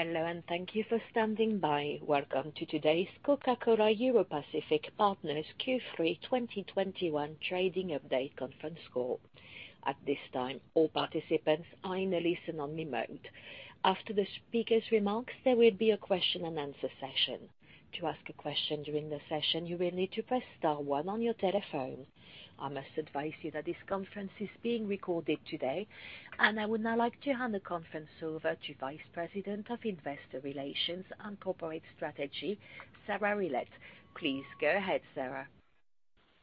Hello, and thank you for standing by. Welcome to today's Coca-Cola Europacific Partners Q3 2021 Trading Update conference call. At this time, all participants are in a listen-only mode. After the speaker's remarks, there will be a question-and-answer session. To ask a question during the session, you will need to press star one on your telephone. I must advise you that this conference is being recorded today, and I would now like to hand the conference over to Vice President of Investor Relations and Corporate Strategy, Sarah Willett. Please go ahead, Sarah.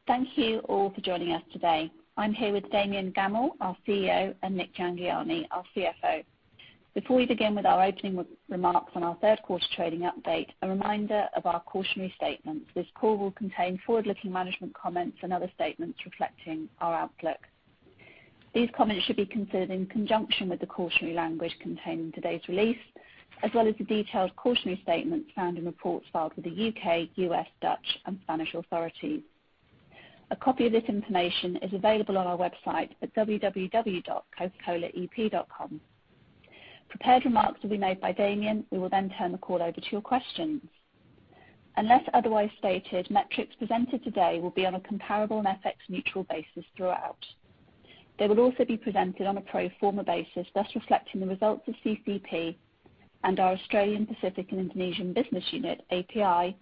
Thank you all for joining us today. I'm here with Damian Gammell, our CEO, and Nik Jhangiani, our CFO. Before we begin with our opening remarks on our third quarter trading update, a reminder of our cautionary statement. This call will contain forward-looking management comments and other statements reflecting our outlook. These comments should be considered in conjunction with the cautionary language contained in today's release, as well as the detailed cautionary statements found in reports filed with the U.K., U.S., Dutch, and Spanish authorities. A copy of this information is available on our website at www.cocacolaep.com. Prepared remarks will be made by Damian. We will then turn the call over to your questions. Unless otherwise stated, metrics presented today will be on a comparable and FX-neutral basis throughout. They will also be presented on a pro forma basis, thus reflecting the results of CCEP and our Australian, Pacific, and Indonesian business unit, API,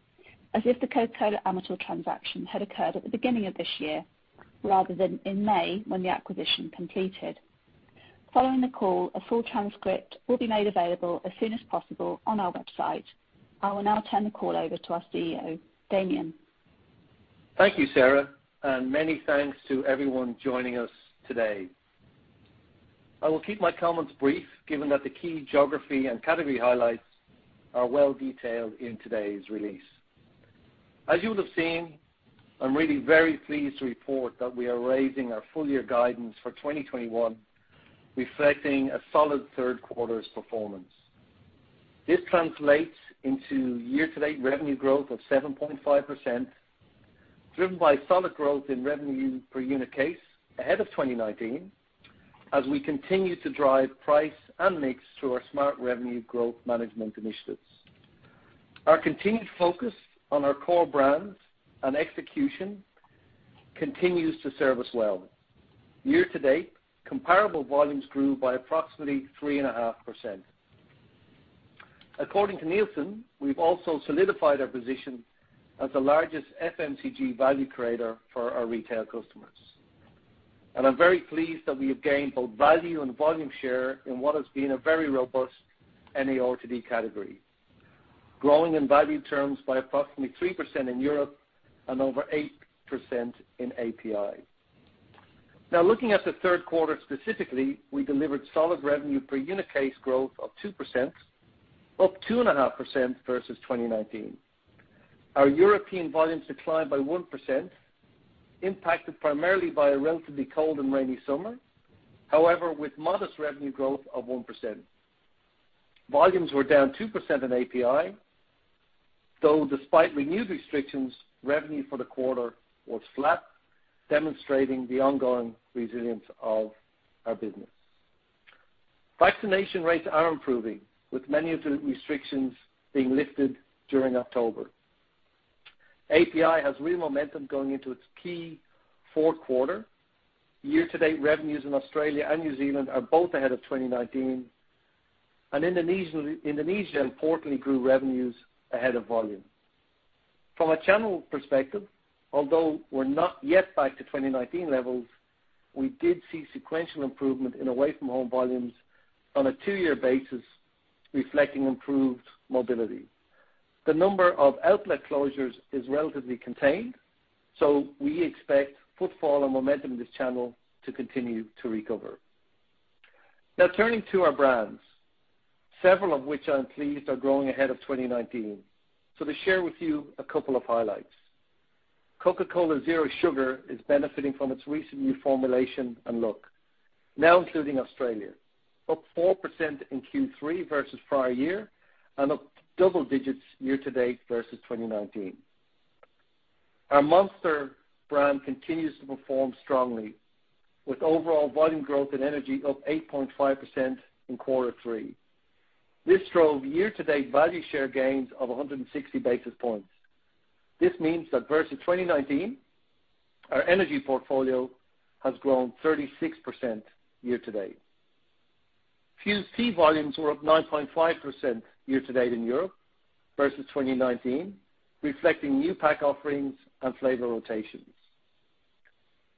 as if the Coca-Cola Amatil transaction had occurred at the beginning of this year, rather than in May, when the acquisition completed. Following the call, a full transcript will be made available as soon as possible on our website. I will now turn the call over to our CEO, Damian. Thank you, Sarah, and many thanks to everyone joining us today. I will keep my comments brief, given that the key geography and category highlights are well detailed in today's release. As you would have seen, I'm really very pleased to report that we are raising our full-year guidance for 2021, reflecting a solid third quarter's performance. This translates into year-to-date revenue growth of 7.5%, driven by solid growth in revenue per unit case ahead of 2019, as we continue to drive price and mix through our smart revenue growth management initiatives. Our continued focus on our core brands and execution continues to serve us well. Year to date, comparable volumes grew by approximately 3.5%. According to Nielsen, we've also solidified our position as the largest FMCG value creator for our retail customers. And I'm very pleased that we have gained both value and volume share in what has been a very robust NARTD category, growing in value terms by approximately 3% in Europe and over 8% in API. Now, looking at the third quarter specifically, we delivered solid revenue per unit case growth of 2%, up 2.5% versus 2019. Our European volumes declined by 1%, impacted primarily by a relatively cold and rainy summer. However, with modest revenue growth of 1%, volumes were down 2% in API, though, despite renewed restrictions, revenue for the quarter was flat, demonstrating the ongoing resilience of our business. Vaccination rates are improving, with many of the restrictions being lifted during October. API has real momentum going into its key fourth quarter. Year-to-date revenues in Australia and New Zealand are both ahead of 2019, and Indonesia importantly grew revenues ahead of volume. From a channel perspective, although we're not yet back to 2019 levels, we did see sequential improvement in away-from-home volumes on a two-year basis, reflecting improved mobility. The number of outlet closures is relatively contained, so we expect footfall and momentum in this channel to continue to recover. Now, turning to our brands, several of which I'm pleased are growing ahead of 2019. So to share with you a couple of highlights. Coca-Cola Zero Sugar is benefiting from its recent new formulation and look, now including Australia, up 4% in Q3 versus prior year and up double digits year to date versus 2019. Our Monster brand continues to perform strongly, with overall volume growth and energy up 8.5% in quarter three. This drove year-to-date value share gains of 160 basis points. This means that versus 2019, our energy portfolio has grown 36% year to date. Fuze Tea volumes were up 9.5% year to date in Europe versus 2019, reflecting new pack offerings and flavor rotations.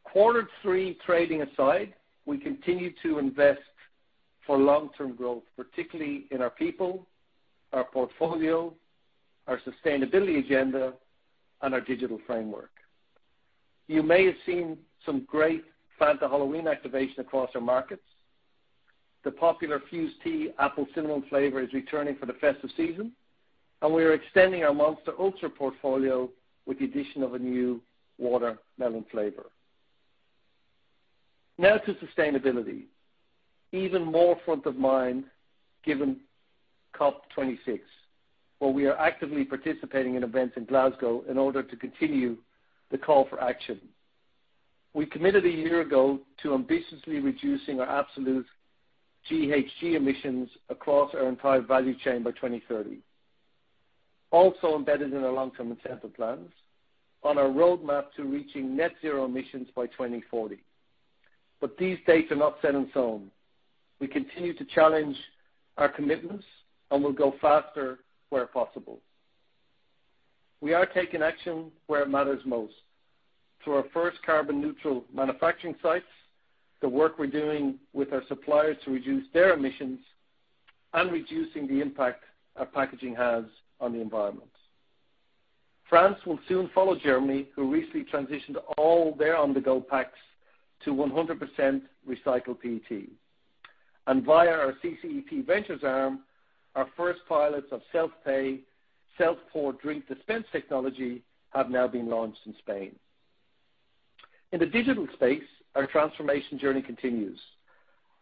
Quarter three trading aside, we continue to invest for long-term growth, particularly in our people, our portfolio, our sustainability agenda, and our digital framework. You may have seen some great Fanta Halloween activation across our markets. The popular Fuze Tea Apple Cinnamon flavor is returning for the festive season, and we are extending our Monster Ultra portfolio with the addition of a new watermelon flavor. Now to sustainability. Even more front of mind, given COP26, where we are actively participating in events in Glasgow in order to continue the call for action. We committed a year ago to ambitiously reducing our absolute GHG emissions across our entire value chain by 2030. Also embedded in our long-term incentive plans, on our roadmap to reaching net zero emissions by 2040, but these dates are not set in stone. We continue to challenge our commitments, and we'll go faster where possible. We are taking action where it matters most, through our first carbon neutral manufacturing sites, the work we're doing with our suppliers to reduce their emissions, and reducing the impact our packaging has on the environment. France will soon follow Germany, who recently transitioned all their on-the-go packs to 100% recycled PET, and via our CCEP Ventures arm, our first pilots of self-pay, self-pour drink dispense technology have now been launched in Spain. In the digital space, our transformation journey continues.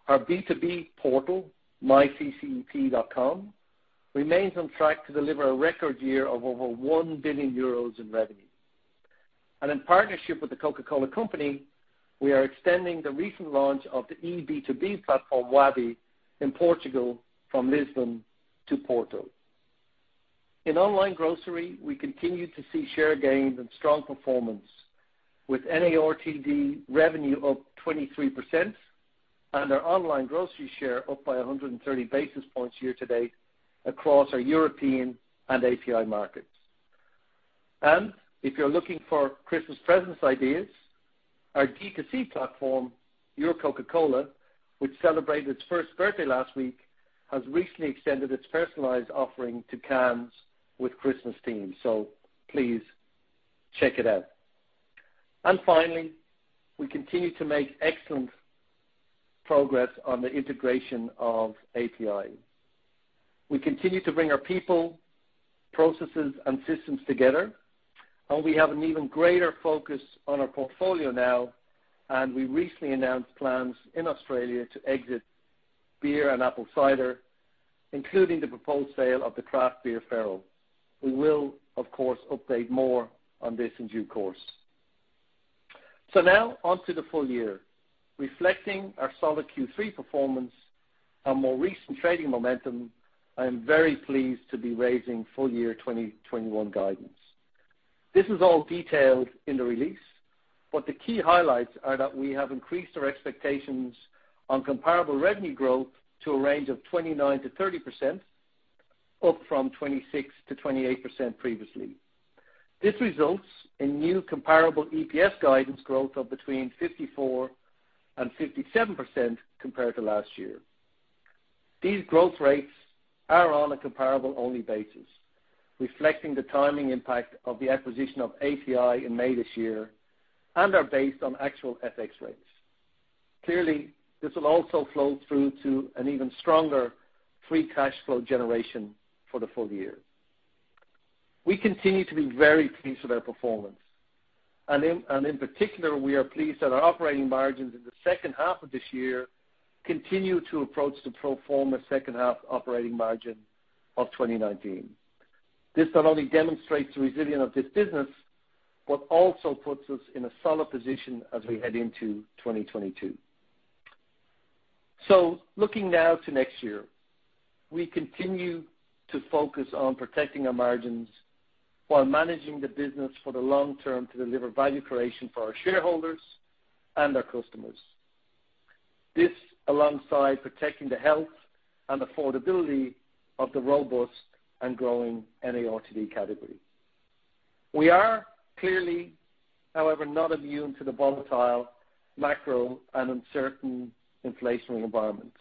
Our B2B portal, myCCEP.com, remains on track to deliver a record year of over 1 billion euros in revenue. And in partnership with The Coca-Cola Company, we are extending the recent launch of the eB2B platform, Wabi, in Portugal, from Lisbon to Porto. In online grocery, we continue to see share gains and strong performance, with NARTD revenue up 23% and our online grocery share up by 130 basis points year to date across our European and API markets. And if you're looking for Christmas presents ideas, our D2C platform, Your Coca-Cola, which celebrated its first birthday last week, has recently extended its personalized offering to cans with Christmas themes. So please check it out. And finally, we continue to make excellent progress on the integration of API. We continue to bring our people, processes, and systems together, and we have an even greater focus on our portfolio now, and we recently announced plans in Australia to exit beer and apple cider, including the proposed sale of the craft beer, Feral. We will, of course, update more on this in due course, so now, on to the full year. Reflecting our solid Q3 performance and more recent trading momentum, I am very pleased to be raising full-year 2021 guidance. This is all detailed in the release, but the key highlights are that we have increased our expectations on comparable revenue growth to a range of 29-30%, up from 26-28% previously. This results in new comparable EPS guidance growth of between 54% and 57% compared to last year. These growth rates are on a comparable only basis, reflecting the timing impact of the acquisition of API in May this year, and are based on actual FX rates. Clearly, this will also flow through to an even stronger free cash flow generation for the full year. We continue to be very pleased with our performance, and in particular, we are pleased that our operating margins in the second half of this year continue to approach the pro forma second half operating margin of 2019. This not only demonstrates the resilience of this business, but also puts us in a solid position as we head into 2022. So looking now to next year, we continue to focus on protecting our margins while managing the business for the long term to deliver value creation for our shareholders and our customers. This, alongside protecting the health and affordability of the robust and growing NARTD category. We are clearly, however, not immune to the volatile, macro, and uncertain inflationary environment.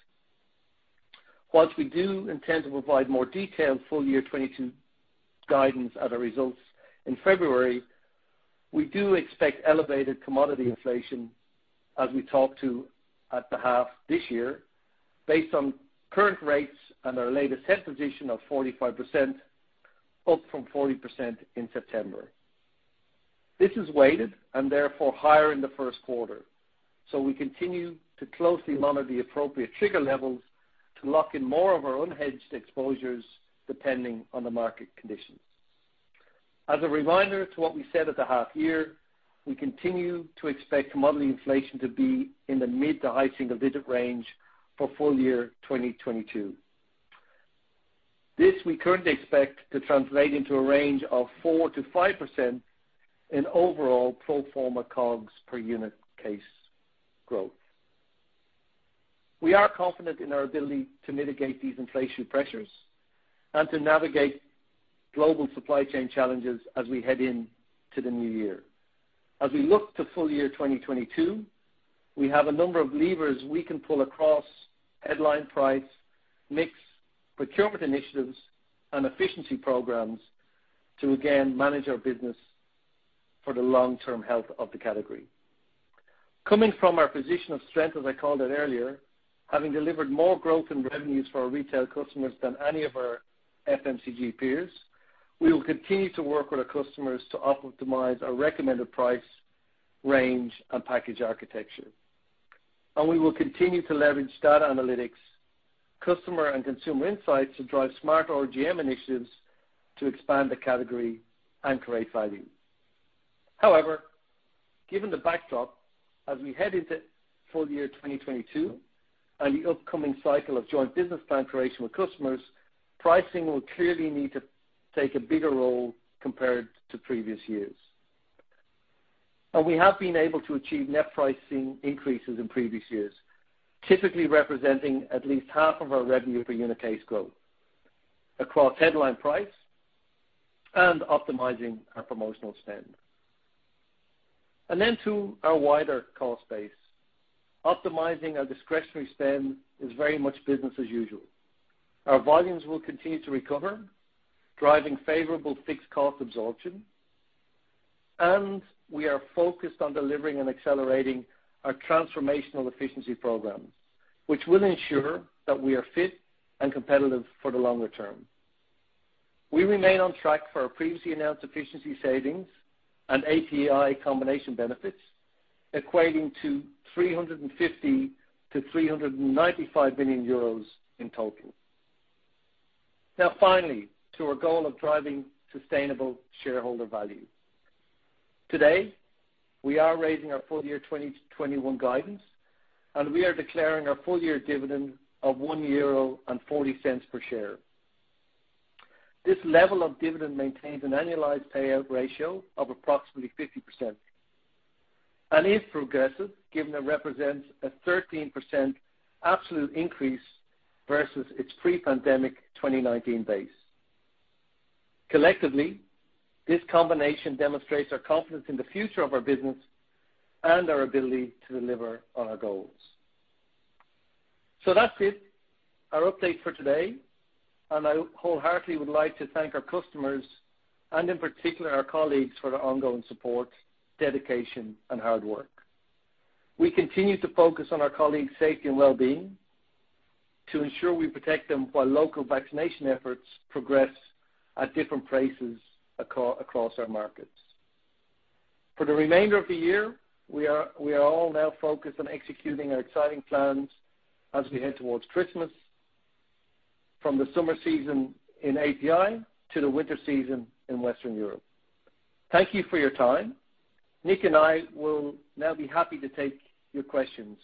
While we do intend to provide more detailed full year 2022 guidance at our results in February, we do expect elevated commodity inflation as we talked to at the half this year, based on current rates and our latest hedge position of 45%, up from 40% in September. This is weighted and therefore higher in the first quarter, so we continue to closely monitor the appropriate trigger levels to lock in more of our unhedged exposures, depending on the market conditions. As a reminder to what we said at the half year, we continue to expect commodity inflation to be in the mid-to high-single-digit range for full year 2022. This we currently expect to translate into a range of 4-5% in overall pro forma COGS per unit case growth. We are confident in our ability to mitigate these inflationary pressures and to navigate global supply chain challenges as we head into the new year. As we look to full year 2022, we have a number of levers we can pull across headline price, mix, procurement initiatives, and efficiency programs to, again, manage our business for the long-term health of the category. Coming from our position of strength, as I called it earlier, having delivered more growth in revenues for our retail customers than any of our FMCG peers, we will continue to work with our customers to optimize our recommended price, range, and package architecture.. And we will continue to leverage data analytics, customer and consumer insights to drive smart RGM initiatives to expand the category and create value. However, given the backdrop, as we head into full year 2022, and the upcoming cycle of joint business plan creation with customers, pricing will clearly need to take a bigger role compared to previous years. And we have been able to achieve net pricing increases in previous years, typically representing at least half of our revenue per unit case growth, across headline price and optimizing our promotional spend. And then to our wider cost base. Optimizing our discretionary spend is very much business as usual. Our volumes will continue to recover, driving favorable fixed cost absorption, and we are focused on delivering and accelerating our transformational efficiency programs, which will ensure that we are fit and competitive for the longer term. We remain on track for our previously announced efficiency savings and API combination benefits, equating to 350 million-395 million euros in total. Now, finally, to our goal of driving sustainable shareholder value. Today, we are raising our full-year 2021 guidance, and we are declaring our full-year dividend of 1.40 euro per share. This level of dividend maintains an annualized payout ratio of approximately 50%, and is progressive, given it represents a 13% absolute increase versus its pre-pandemic 2019 base. Collectively, this combination demonstrates our confidence in the future of our business and our ability to deliver on our goals. So that's it, our update for today, and I wholeheartedly would like to thank our customers, and in particular, our colleagues, for their ongoing support, dedication and hard work. We continue to focus on our colleagues' safety and well-being, to ensure we protect them while local vaccination efforts progress at different paces across our markets. For the remainder of the year, we are all now focused on executing our exciting plans as we head towards Christmas, from the summer season in API to the winter season in Western Europe. Thank you for your time. Nik and I will now be happy to take your questions.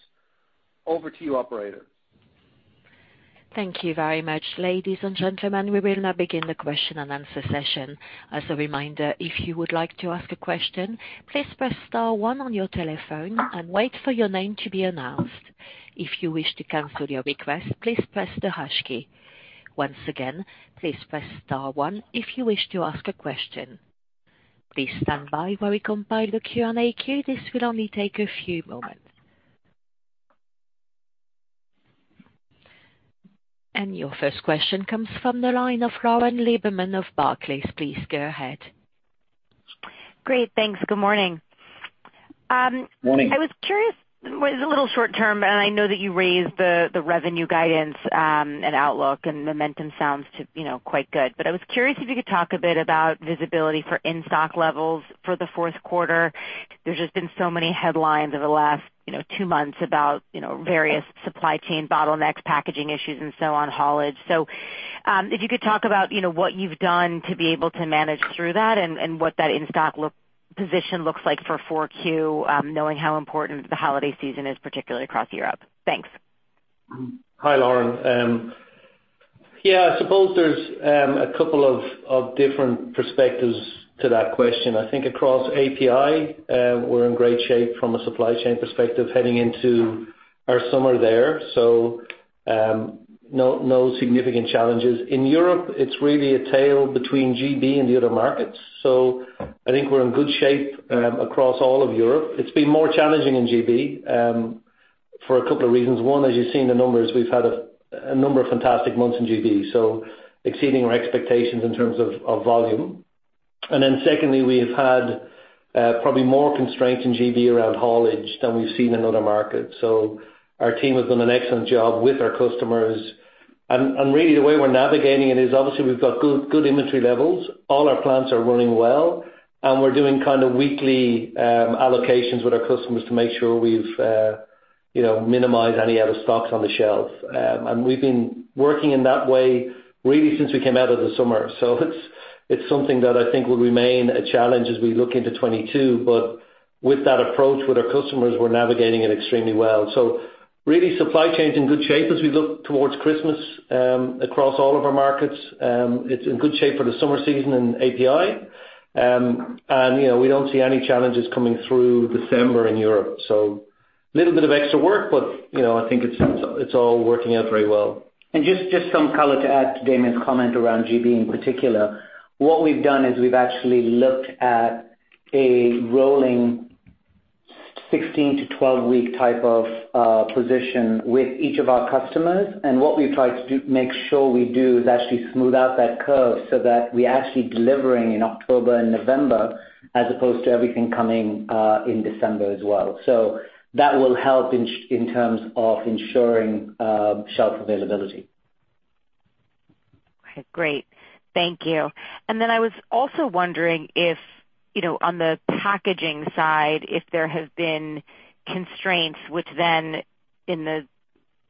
Over to you, operator. Thank you very much, ladies and gentlemen. We will now begin the question and answer session. As a reminder, if you would like to ask a question, please press star one on your telephone and wait for your name to be announced. If you wish to cancel your request, please press the hash key. Once again, please press star one if you wish to ask a question. Please stand by while we compile the Q&A queue. This will only take a few moments, and your first question comes from the line of Lauren Lieberman of Barclays. Please go ahead. Great, thanks. Good morning. Morning. I was curious, well, it's a little short-term, and I know that you raised the revenue guidance, and outlook, and momentum sounds too, you know, quite good. But I was curious if you could talk a bit about visibility for in-stock levels for the fourth quarter. There's just been so many headlines over the last, you know, two months about, you know, various supply chain bottlenecks, packaging issues, and so on, haulage. So, if you could talk about, you know, what you've done to be able to manage through that, and what that in-stock look position looks like for 4Q, knowing how important the holiday season is, particularly across Europe. Thanks. Hi, Lauren. Yeah, I suppose there's a couple of different perspectives to that question. I think across API, we're in great shape from a supply chain perspective, heading into our summer there. So, no significant challenges. In Europe, it's really a tale between GB and the other markets. So I think we're in good shape across all of Europe. It's been more challenging in GB for a couple of reasons. One, as you've seen the numbers, we've had a number of fantastic months in GB, so exceeding our expectations in terms of volume. And then secondly, we've had probably more constraints in GB around haulage than we've seen in other markets. So our team has done an excellent job with our customers. And really, the way we're navigating it is, obviously, we've got good inventory levels. All our plants are running well, and we're doing kind of weekly allocations with our customers to make sure we've, you know, minimized any out of stocks on the shelves. And we've been working in that way, really, since we came out of the summer. So it's, it's something that I think will remain a challenge as we look into 2022, but with that approach with our customers, we're navigating it extremely well. So really, supply chain's in good shape as we look towards Christmas, across all of our markets. It's in good shape for the summer season in API. And, you know, we don't see any challenges coming through December in Europe. So little bit of extra work, but, you know, I think it's, it's all working out very well. Just some color to add to Damian's comment around GB in particular. What we've done is we've actually looked at a rolling sixteen to twelve-week type of position with each of our customers. And what we've tried to do, make sure we do, is actually smooth out that curve so that we're actually delivering in October and November, as opposed to everything coming in December as well. So that will help in terms of ensuring shelf availability.... Okay, great. Thank you. And then I was also wondering if, you know, on the packaging side, if there have been constraints, which then, in the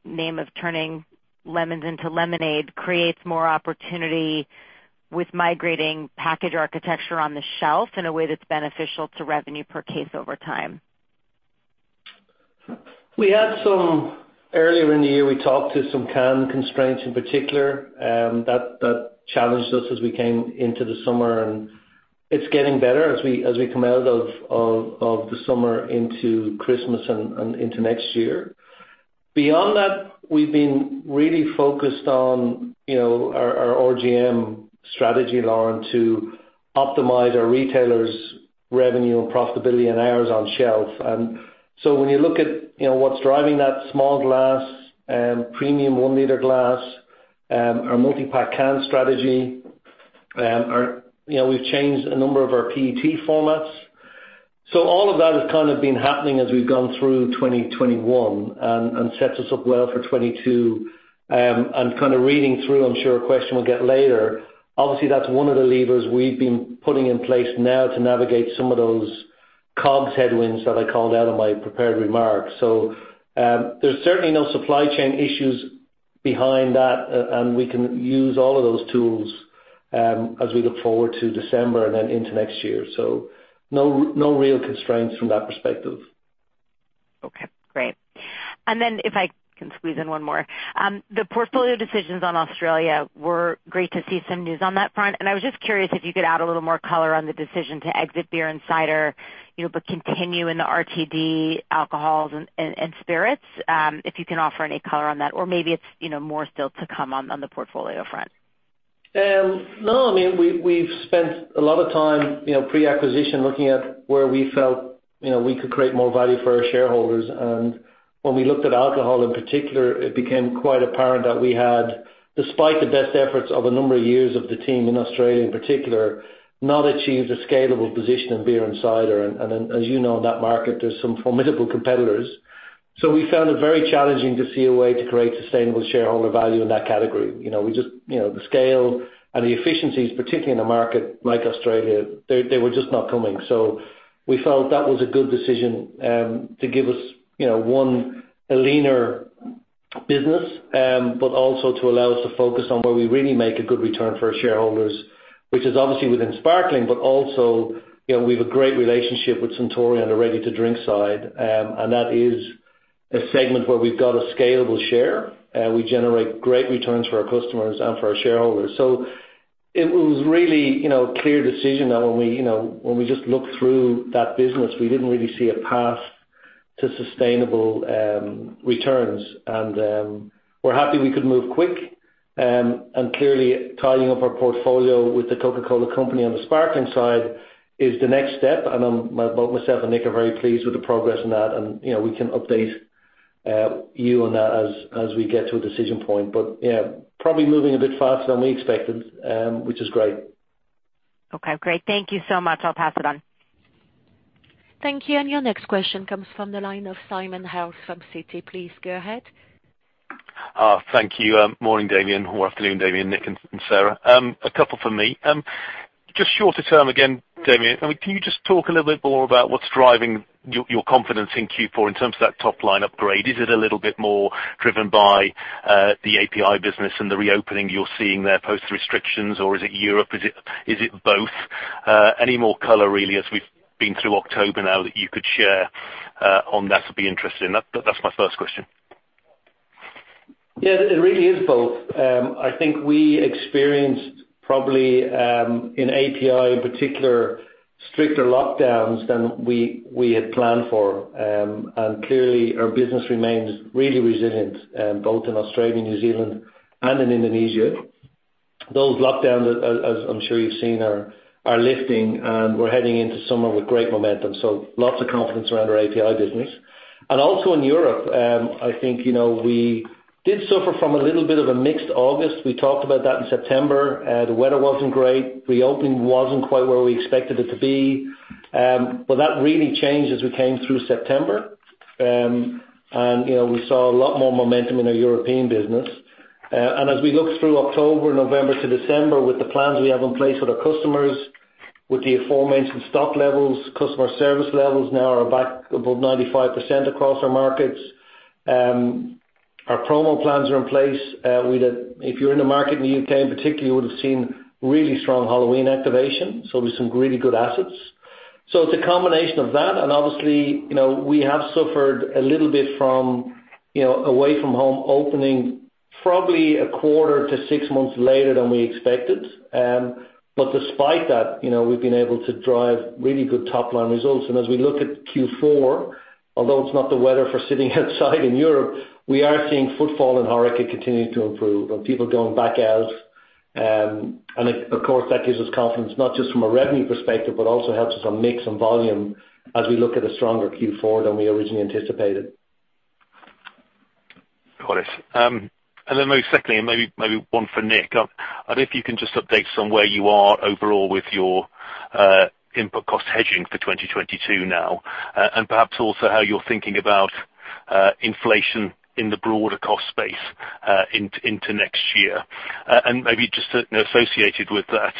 name of turning lemons into lemonade, creates more opportunity with migrating package architecture on the shelf in a way that's beneficial to revenue per case over time? We had some earlier in the year. We talked to some can constraints in particular that challenged us as we came into the summer, and it's getting better as we come out of the summer into Christmas and into next year. Beyond that, we've been really focused on, you know, our RGM strategy, Lauren, to optimize our retailers' revenue and profitability and hours on shelf. So when you look at, you know, what's driving that small glass and premium one-liter glass, our multi-pack can strategy, our you know, we've changed a number of our PET formats. So all of that has kind of been happening as we've gone through 2021, and sets us up well for 2022. And kind of reading through, I'm sure, a question we'll get later, obviously, that's one of the levers we've been putting in place now to navigate some of those COGS headwinds that I called out in my prepared remarks. So, there's certainly no supply chain issues behind that, and we can use all of those tools, as we look forward to December and then into next year. So no, no real constraints from that perspective. Okay, great. And then, if I can squeeze in one more. The portfolio decisions on Australia were great to see some news on that front, and I was just curious if you could add a little more color on the decision to exit beer and cider, you know, but continue in the RTD alcohols and spirits, if you can offer any color on that, or maybe it's, you know, more still to come on the portfolio front. No, I mean, we’ve spent a lot of time, you know, pre-acquisition, looking at where we felt, you know, we could create more value for our shareholders. When we looked at alcohol, in particular, it became quite apparent that we had, despite the best efforts of a number of years of the team in Australia, in particular, not achieved a scalable position in beer and cider, and as you know, in that market, there’s some formidable competitors. So we found it very challenging to see a way to create sustainable shareholder value in that category. You know, we just, you know, the scale and the efficiencies, particularly in a market like Australia, they were just not coming. So we felt that was a good decision, to give us, you know, a leaner business, but also to allow us to focus on where we really make a good return for our shareholders, which is obviously within Sparkling, but also, you know, we've a great relationship with Suntory on the ready to drink side. And that is a segment where we've got a scalable share, we generate great returns for our customers and for our shareholders. So it was really, you know, a clear decision that when we, you know, when we just looked through that business, we didn't really see a path to sustainable returns. And, we're happy we could move quick. And clearly, tidying up our portfolio with the Coca-Cola Company on the Sparkling side is the next step, and both myself and Nik are very pleased with the progress on that, and you know, we can update you on that as we get to a decision point. But yeah, probably moving a bit faster than we expected, which is great. Okay, great. Thank you so much. I'll pass it on. Thank you. And your next question comes from the line of Simon Hales from Citi. Please go ahead. Thank you. Morning, Damian, or afternoon, Damian, Nik, and Sarah. A couple from me. Just shorter term, again, Damian. I mean, can you just talk a little bit more about what's driving your confidence in Q4 in terms of that top line upgrade? Is it a little bit more driven by the API business and the reopening you're seeing there post-restrictions, or is it Europe? Is it both? Any more color, really, as we've been through October now, that you could share on that would be interesting. That's my first question Yeah, it really is both. I think we experienced probably, in API, in particular, stricter lockdowns than we had planned for. And clearly, our business remains really resilient, both in Australia, New Zealand, and in Indonesia. Those lockdowns, as I'm sure you've seen, are lifting, and we're heading into summer with great momentum, so lots of confidence around our API business. And also in Europe, I think, you know, we did suffer from a little bit of a mixed August. We talked about that in September. The weather wasn't great, reopening wasn't quite where we expected it to be. But that really changed as we came through September. And, you know, we saw a lot more momentum in our European business. And as we look through October, November to December, with the plans we have in place with our customers, with the aforementioned stock levels, customer service levels now are back above 95% across our markets. Our promo plans are in place. If you're in the market, in the UK, in particular, you would have seen really strong Halloween activation, so with some really good assets. So it's a combination of that, and obviously, you know, we have suffered a little bit from, you know, away from home opening, probably a quarter to six months later than we expected. But despite that, you know, we've been able to drive really good top-line results. And as we look at Q4, although it's not the weather for sitting outside in Europe, we are seeing footfall and HoReCa continue to improve and people going back out. And of course, that gives us confidence, not just from a revenue perspective, but also helps us on mix and volume as we look at a stronger Q4 than we originally anticipated. Got it. And then most secondly, and maybe one for Nik, I don't know if you can just update us on where you are overall with your input cost hedging for 2022 now, and perhaps also how you're thinking about inflation in the broader cost space into next year? And maybe just you know associated with that,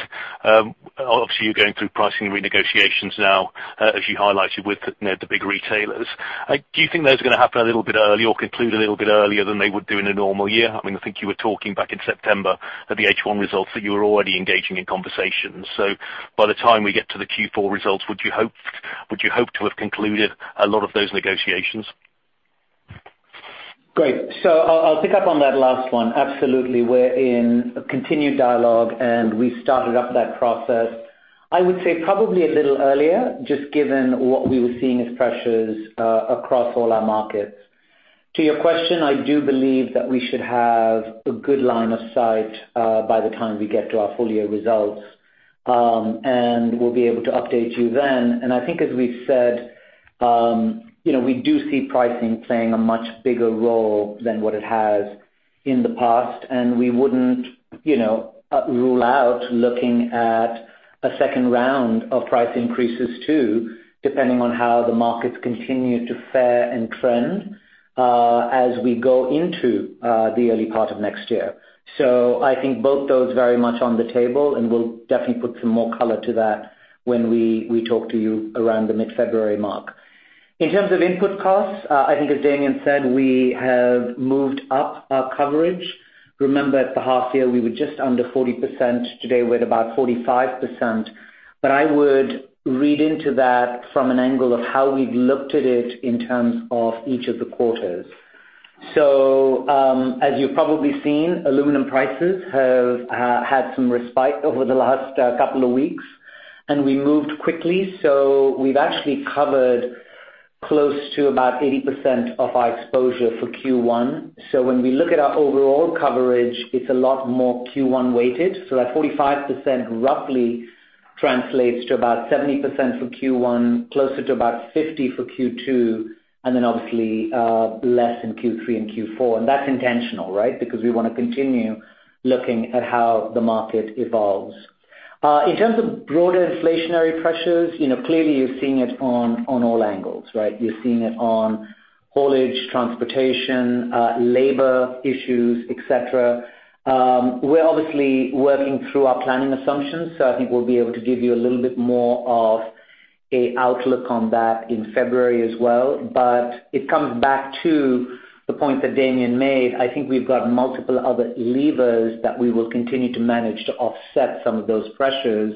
obviously, you're going through pricing renegotiations now as you highlighted with you know the big retailers. Do you think those are gonna happen a little bit early or conclude a little bit earlier than they would do in a normal year? I mean, I think you were talking back in September at the H1 results, that you were already engaging in conversations. By the time we get to the Q4 results, would you hope, would you hope to have concluded a lot of those negotiations? Great. So I'll pick up on that last one. Absolutely, we're in a continued dialogue, and we started up that process, I would say, probably a little earlier, just given what we were seeing as pressures across all our markets. To your question, I do believe that we should have a good line of sight by the time we get to our full year results. And we'll be able to update you then. And I think, as we've said, you know, we do see pricing playing a much bigger role than what it has in the past, and we wouldn't, you know, rule out looking at a second round of price increases, too, depending on how the markets continue to fare and trend as we go into the early part of next year. So I think both those very much on the table, and we'll definitely put some more color to that when we talk to you around the mid-February mark. In terms of input costs, I think as Damian said, we have moved up our coverage. Remember, at the half year, we were just under 40%. Today, we're at about 45%. But I would read into that from an angle of how we've looked at it in terms of each of the quarters. So, as you've probably seen, aluminum prices have had some respite over the last couple of weeks, and we moved quickly. So we've actually covered close to about 80% of our exposure for Q1. So when we look at our overall coverage, it's a lot more Q1-weighted. So that 45% roughly translates to about 70% for Q1, closer to about 50% for Q2, and then obviously, less in Q3 and Q4. And that's intentional, right? Because we wanna continue looking at how the market evolves. In terms of broader inflationary pressures, you know, clearly you're seeing it on all angles, right? You're seeing it on haulage, transportation, labor issues, et cetera. We're obviously working through our planning assumptions, so I think we'll be able to give you a little bit more of an outlook on that in February as well. But it comes back to the point that Damian made. I think we've got multiple other levers that we will continue to manage to offset some of those pressures,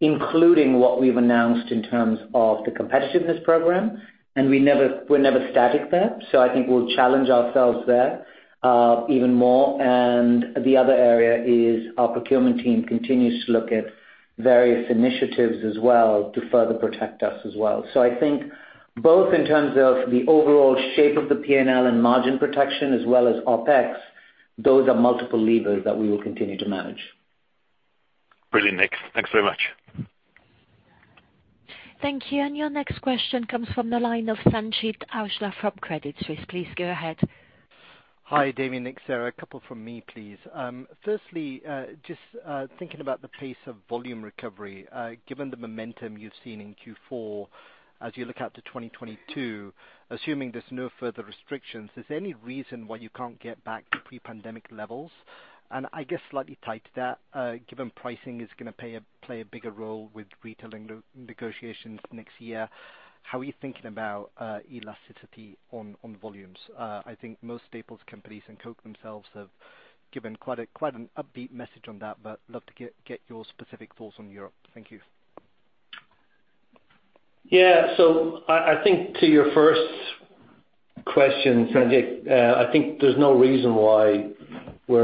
including what we've announced in terms of the competitiveness program, and we never, we're never static there, so I think we'll challenge ourselves there, even more, and the other area is our procurement team continues to look at various initiatives as well to further protect us as well, so I think both in terms of the overall shape of the P&L and margin protection, as well as OpEx, those are multiple levers that we will continue to manage. Brilliant, Nik. Thanks very much. Thank you, and your next question comes from the line of Sanjeet Aujla from Credit Suisse. Please go ahead. Hi, Damian, Nik, Sarah, a couple from me, please. Firstly, just thinking about the pace of volume recovery, given the momentum you've seen in Q4, as you look out to 2022, assuming there's no further restrictions, is there any reason why you can't get back to pre-pandemic levels? And I guess slightly tied to that, given pricing is gonna play a bigger role with retailer negotiations next year, how are you thinking about elasticity on volumes? I think most staples companies and Coke themselves have given quite an upbeat message on that, but love to get your specific thoughts on Europe. Thank you. Yeah. So I think to your first question, Sanjeet, I think there's no reason why we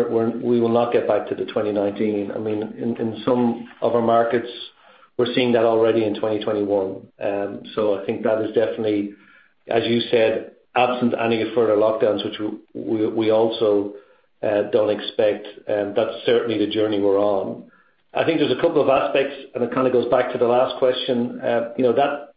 will not get back to the 2019. I mean, in some of our markets, we're seeing that already in 2021. So I think that is definitely, as you said, absent any further lockdowns, which we also don't expect, that's certainly the journey we're on. I think there's a couple of aspects, and it kind of goes back to the last question. You know, that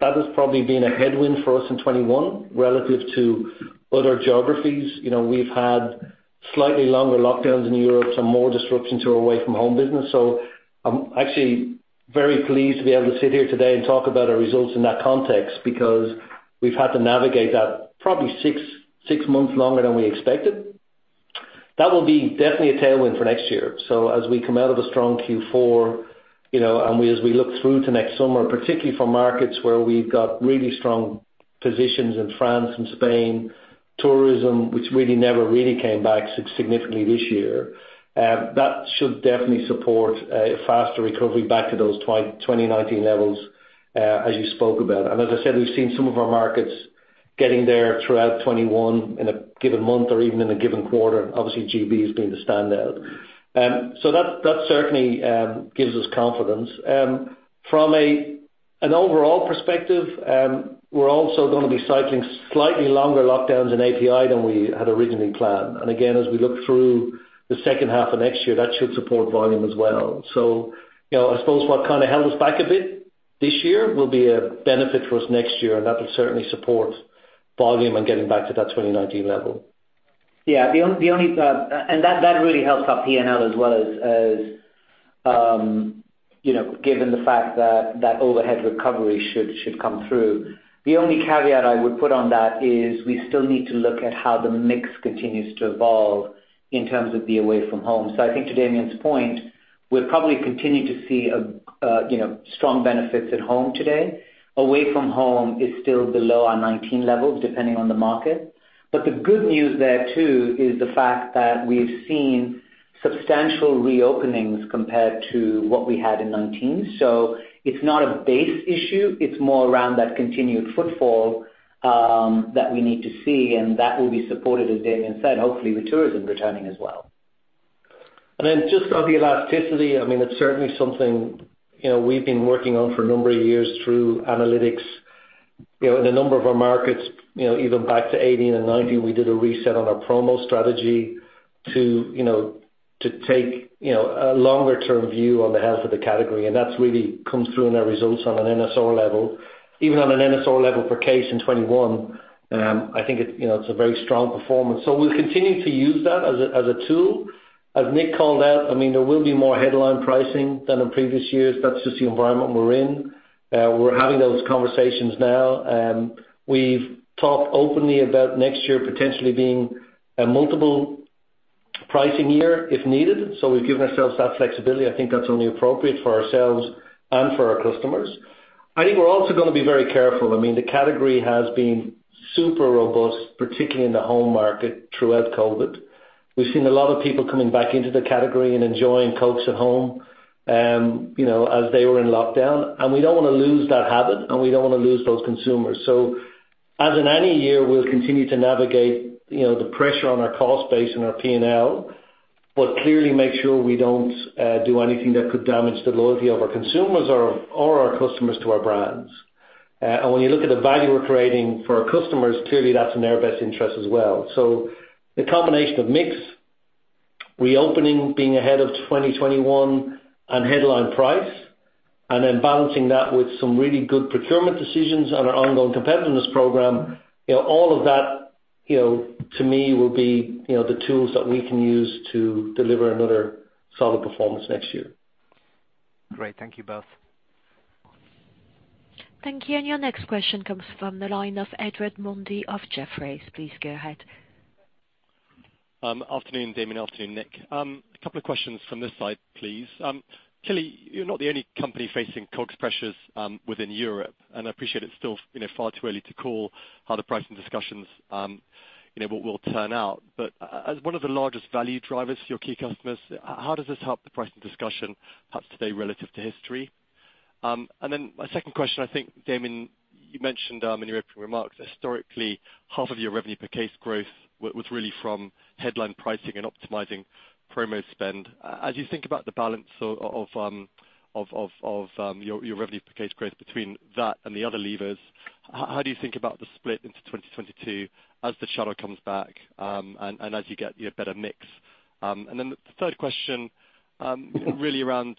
has probably been a headwind for us in 2021 relative to other geographies. You know, we've had slightly longer lockdowns in Europe, so more disruption to our away-from-home business. So I'm actually very pleased to be able to sit here today and talk about our results in that context, because we've had to navigate that probably six months longer than we expected. That will be definitely a tailwind for next year. So as we come out of a strong Q4, you know, and we, as we look through to next summer, particularly for markets where we've got really strong positions in France and Spain, tourism, which really never came back significantly this year, that should definitely support a faster recovery back to those 2019 levels, as you spoke about. And as I said, we've seen some of our markets getting there throughout 2021 in a given month or even in a given quarter. Obviously, GB has been the standout. So that certainly gives us confidence. From an overall perspective, we're also gonna be cycling slightly longer lockdowns in API than we had originally planned. And again, as we look through the second half of next year, that should support volume as well. So, you know, I suppose what kind of held us back a bit this year will be a benefit for us next year, and that will certainly support volume and getting back to that 2019 level. ... Yeah, the only and that really helps our P&L as well as, you know, given the fact that that overhead recovery should come through. The only caveat I would put on that is we still need to look at how the mix continues to evolve in terms of the away from home. So I think to Damian's point, we'll probably continue to see you know, strong benefits at home today. Away from home is still below our 2019 levels, depending on the market. But the good news there, too, is the fact that we've seen substantial reopenings compared to what we had in 2019. So it's not a base issue, it's more around that continued footfall that we need to see, and that will be supported, as Damian said, hopefully with tourism returning as well. And then just on the elasticity, I mean, it's certainly something, you know, we've been working on for a number of years through analytics. You know, in a number of our markets, you know, even back to 2018 and 2019, we did a reset on our promo strategy to, you know, to take, you know, a longer term view on the health of the category, and that's really come through in our results on an NSR level. Even on an NSR level for case in 2021, I think it, you know, it's a very strong performance. So we'll continue to use that as a tool. As Nik called out, I mean, there will be more headline pricing than in previous years. That's just the environment we're in. We're having those conversations now, and we've talked openly about next year potentially being a multiple pricing year if needed. So we've given ourselves that flexibility. I think that's only appropriate for ourselves and for our customers. I think we're also gonna be very careful. I mean, the category has been super robust, particularly in the home market throughout COVID. We've seen a lot of people coming back into the category and enjoying Cokes at home, you know, as they were in lockdown, and we don't want to lose that habit, and we don't want to lose those consumers. So as in any year, we'll continue to navigate, you know, the pressure on our cost base and our P&L, but clearly make sure we don't do anything that could damage the loyalty of our consumers or our customers to our brands. And when you look at the value we're creating for our customers, clearly that's in their best interest as well. So the combination of mix, reopening, being ahead of 2021, and headline price, and then balancing that with some really good procurement decisions and our ongoing competitiveness program, you know, all of that, you know, to me, will be, you know, the tools that we can use to deliver another solid performance next year. Great. Thank you both. Thank you, and your next question comes from the line of Edward Mundy of Jefferies. Please go ahead. Afternoon, Damian, afternoon, Nik. A couple of questions from this side, please. Clearly, you're not the only company facing COGS pressures within Europe, and I appreciate it's still, you know, far too early to call how the pricing discussions, you know, what will turn out. But as one of the largest value drivers to your key customers, how does this help the pricing discussion, perhaps today, relative to history? And then my second question, I think, Damian, you mentioned in your opening remarks, historically, half of your revenue per case growth was really from headline pricing and optimizing promo spend. As you think about the balance of your revenue per case growth between that and the other levers, how do you think about the split into 2022 as the shadow comes back, and as you get, you know, better mix? And then the third question, really around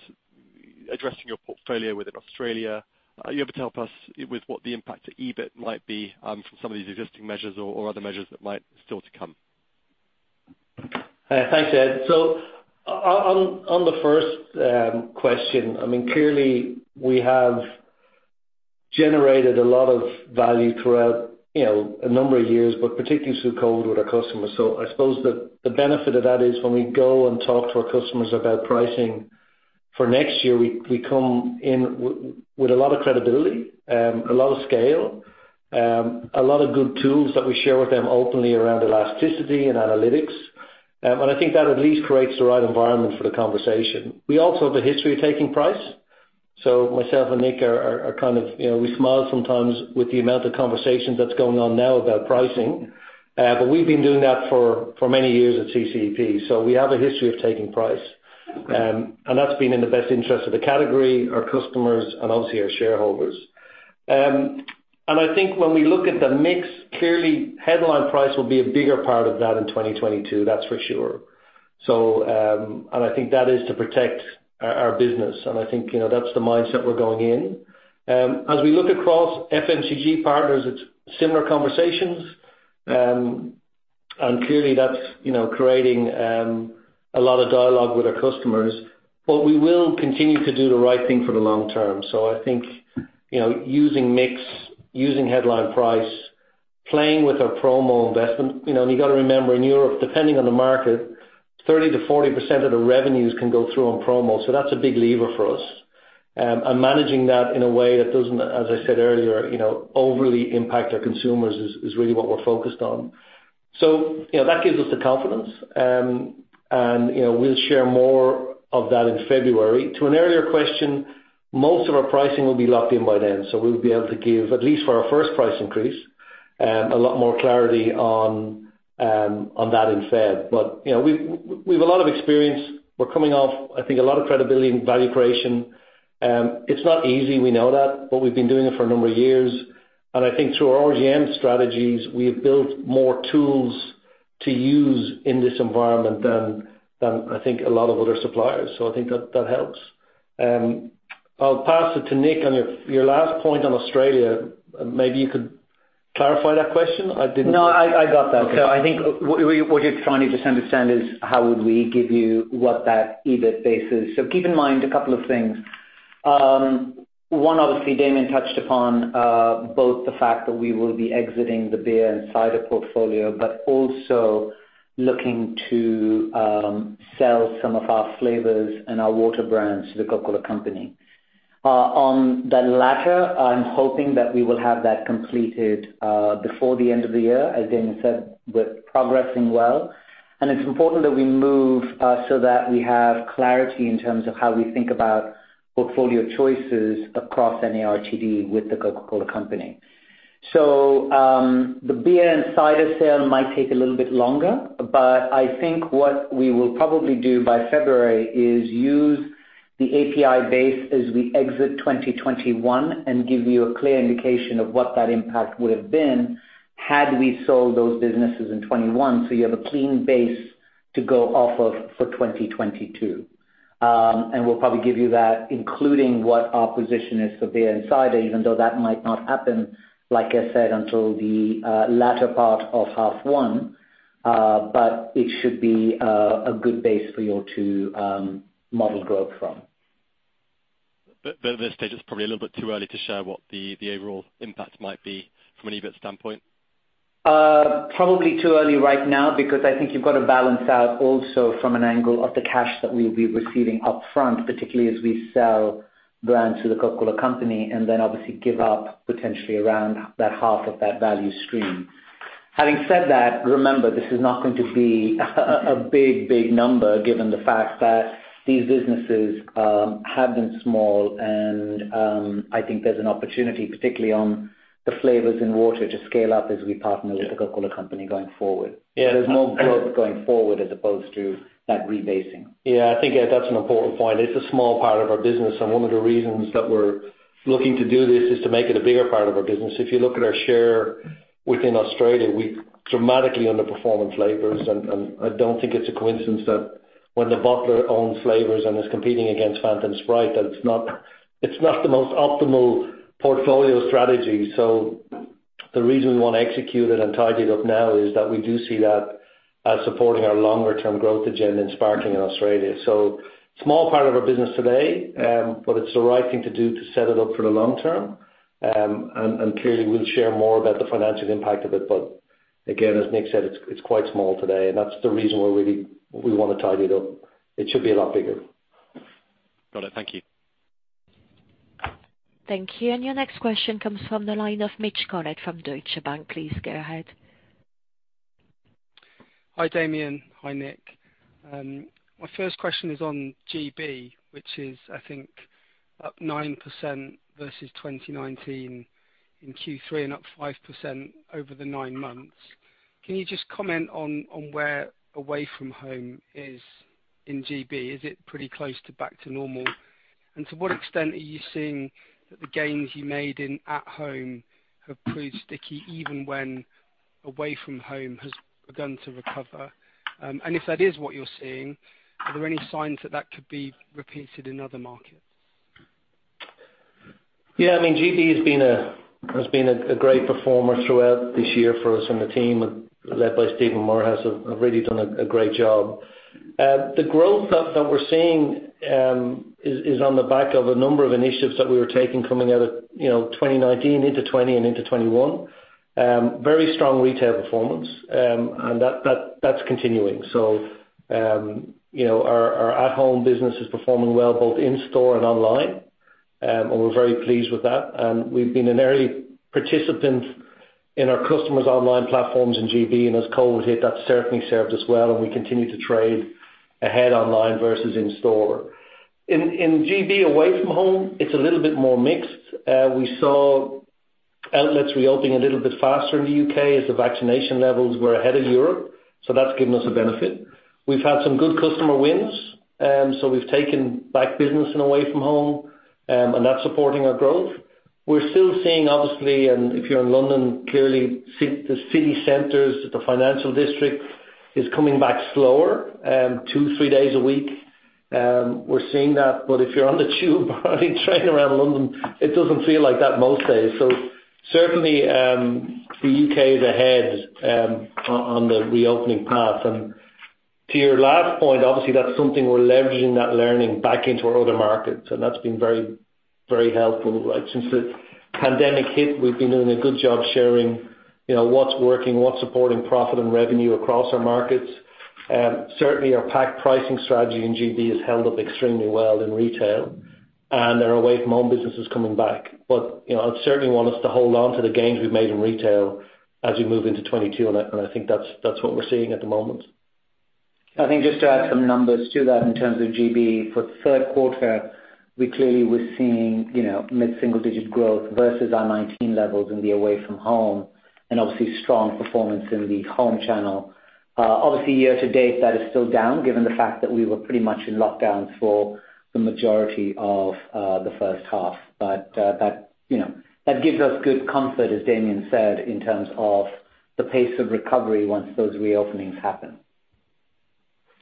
addressing your portfolio within Australia. Are you able to help us with what the impact to EBIT might be, from some of these existing measures or other measures that might still to come? Thanks, Ed. So on the first question, I mean, clearly, we have generated a lot of value throughout, you know, a number of years, but particularly through COVID with our customers. So I suppose the benefit of that is when we go and talk to our customers about pricing for next year, we come in with a lot of credibility, a lot of scale, a lot of good tools that we share with them openly around elasticity and analytics. And I think that at least creates the right environment for the conversation. We also have a history of taking price. So myself and Nik are kind of, you know, we smile sometimes with the amount of conversation that's going on now about pricing. But we've been doing that for many years at CCEP, so we have a history of taking price. And that's been in the best interest of the category, our customers, and obviously our shareholders. And I think when we look at the mix, clearly headline price will be a bigger part of that in 2022, that's for sure. So, and I think that is to protect our business, and I think, you know, that's the mindset we're going in. As we look across FMCG partners, it's similar conversations. And clearly, that's, you know, creating a lot of dialogue with our customers. But we will continue to do the right thing for the long term. So I think, you know, using mix, using headline price, playing with our promo investment. You know, and you've got to remember, in Europe, depending on the market, 30%-40% of the revenues can go through on promo, so that's a big lever for us. And managing that in a way that doesn't, as I said earlier, you know, overly impact our consumers is really what we're focused on. So, you know, that gives us the confidence. And, you know, we'll share more of that in February. To an earlier question, most of our pricing will be locked in by then, so we'll be able to give, at least for our first price increase, a lot more clarity on that in Feb. But, you know, we've a lot of experience. We're coming off, I think, a lot of credibility and value creation. It's not easy, we know that, but we've been doing it for a number of years, and I think through our RGM strategies, we've built more tools to use in this environment than I think a lot of other suppliers, so I think that helps. I'll pass it to Nik. On your last point on Australia, maybe you could clarify that question? I didn't- No, I got that. So I think what you're trying to just understand is how would we give you what that EBIT base is? So keep in mind a couple of things. One, obviously, Damian touched upon both the fact that we will be exiting the beer and cider portfolio, but also looking to sell some of our flavors and our water brands to The Coca-Cola Company. On the latter, I'm hoping that we will have that completed before the end of the year. As Damian said, we're progressing well, and it's important that we move so that we have clarity in terms of how we think about portfolio choices across NARTD with The Coca-Cola Company. So, the beer and cider sale might take a little bit longer, but I think what we will probably do by February is use the API base as we exit 2021 and give you a clear indication of what that impact would have been had we sold those businesses in 2021, so you have a clean base to go off of for 2022. And we'll probably give you that, including what our position is for beer and cider, even though that might not happen, like I said, until the latter part of half one. But it should be a good base for you to model growth from. But at this stage, it's probably a little bit too early to share what the overall impact might be from an EBIT standpoint? Probably too early right now, because I think you've got to balance out also from an angle of the cash that we'll be receiving upfront, particularly as we sell brands to The Coca-Cola Company, and then obviously give up potentially around that half of that value stream. Having said that, remember, this is not going to be a big, big number, given the fact that these businesses have been small, and I think there's an opportunity, particularly on the flavors and water, to scale up as we partner with The Coca-Cola Company going forward. There's more growth going forward as opposed to that rebasing. Yeah, I think, yeah, that's an important point. It's a small part of our business, and one of the reasons that we're looking to do this is to make it a bigger part of our business. If you look at our share within Australia, we dramatically underperform on flavors, and I don't think it's a coincidence that when the bottler owns flavors and is competing against Fanta and Sprite, that it's not the most optimal portfolio strategy. So the reason we want to execute it and tidy it up now is that we do see that as supporting our longer term growth agenda in sparkling in Australia. So small part of our business today, but it's the right thing to do to set it up for the long term. Clearly, we'll share more about the financial impact of it, but again, as Nik said, it's quite small today, and that's the reason we want to tidy it up. It should be a lot bigger. Got it. Thank you. Thank you. And your next question comes from the line of Mitch Collett from Deutsche Bank. Please go ahead. Hi, Damian. Hi, Nik. My first question is on GB, which is, I think, up 9% versus 2019 in Q3 and up 5% over the nine months. Can you just comment on, on where away from home is in GB? Is it pretty close to back to normal? And to what extent are you seeing that the gains you made in at home have proved sticky, even when away from home has begun to recover? And if that is what you're seeing, are there any signs that that could be repeated in other markets? Yeah, I mean, GB has been a great performer throughout this year for us, and the team, led by Stephen Moorhouse, have really done a great job. The growth that we're seeing is on the back of a number of initiatives that we were taking coming out of, you know, 2019 into 2020 and into 2021. Very strong retail performance, and that's continuing. So, you know, our at home business is performing well, both in store and online, and we're very pleased with that. And we've been an early participant in our customers' online platforms in GB, and as Covid hit, that certainly served us well, and we continue to trade ahead online versus in-store. In GB, away from home, it's a little bit more mixed. We saw outlets reopening a little bit faster in the U.K. as the vaccination levels were ahead of Europe, so that's given us a benefit. We've had some good customer wins, so we've taken back business in away from home, and that's supporting our growth. We're still seeing, obviously, and if you're in London, clearly, the city centers, the financial district is coming back slower, two, three days a week. We're seeing that, but if you're on the tube or on the train around London, it doesn't feel like that most days. So certainly, the U.K. is ahead, on the reopening path. And to your last point, obviously, that's something we're leveraging that learning back into our other markets, and that's been very, very helpful. Like, since the pandemic hit, we've been doing a good job sharing, you know, what's working, what's supporting profit and revenue across our markets. Certainly our pack pricing strategy in GB has held up extremely well in retail, and our away from home business is coming back. But, you know, I'd certainly want us to hold on to the gains we've made in retail as we move into 2022, and I think that's what we're seeing at the moment. I think just to add some numbers to that, in terms of GB, for the third quarter, we clearly were seeing, you know, mid-single-digit growth versus our 2019 levels in the away from home, and obviously strong performance in the home channel. Obviously, year to date, that is still down, given the fact that we were pretty much in lockdown for the majority of the first half. But, that, you know, that gives us good comfort, as Damian said, in terms of the pace of recovery once those reopenings happen. ...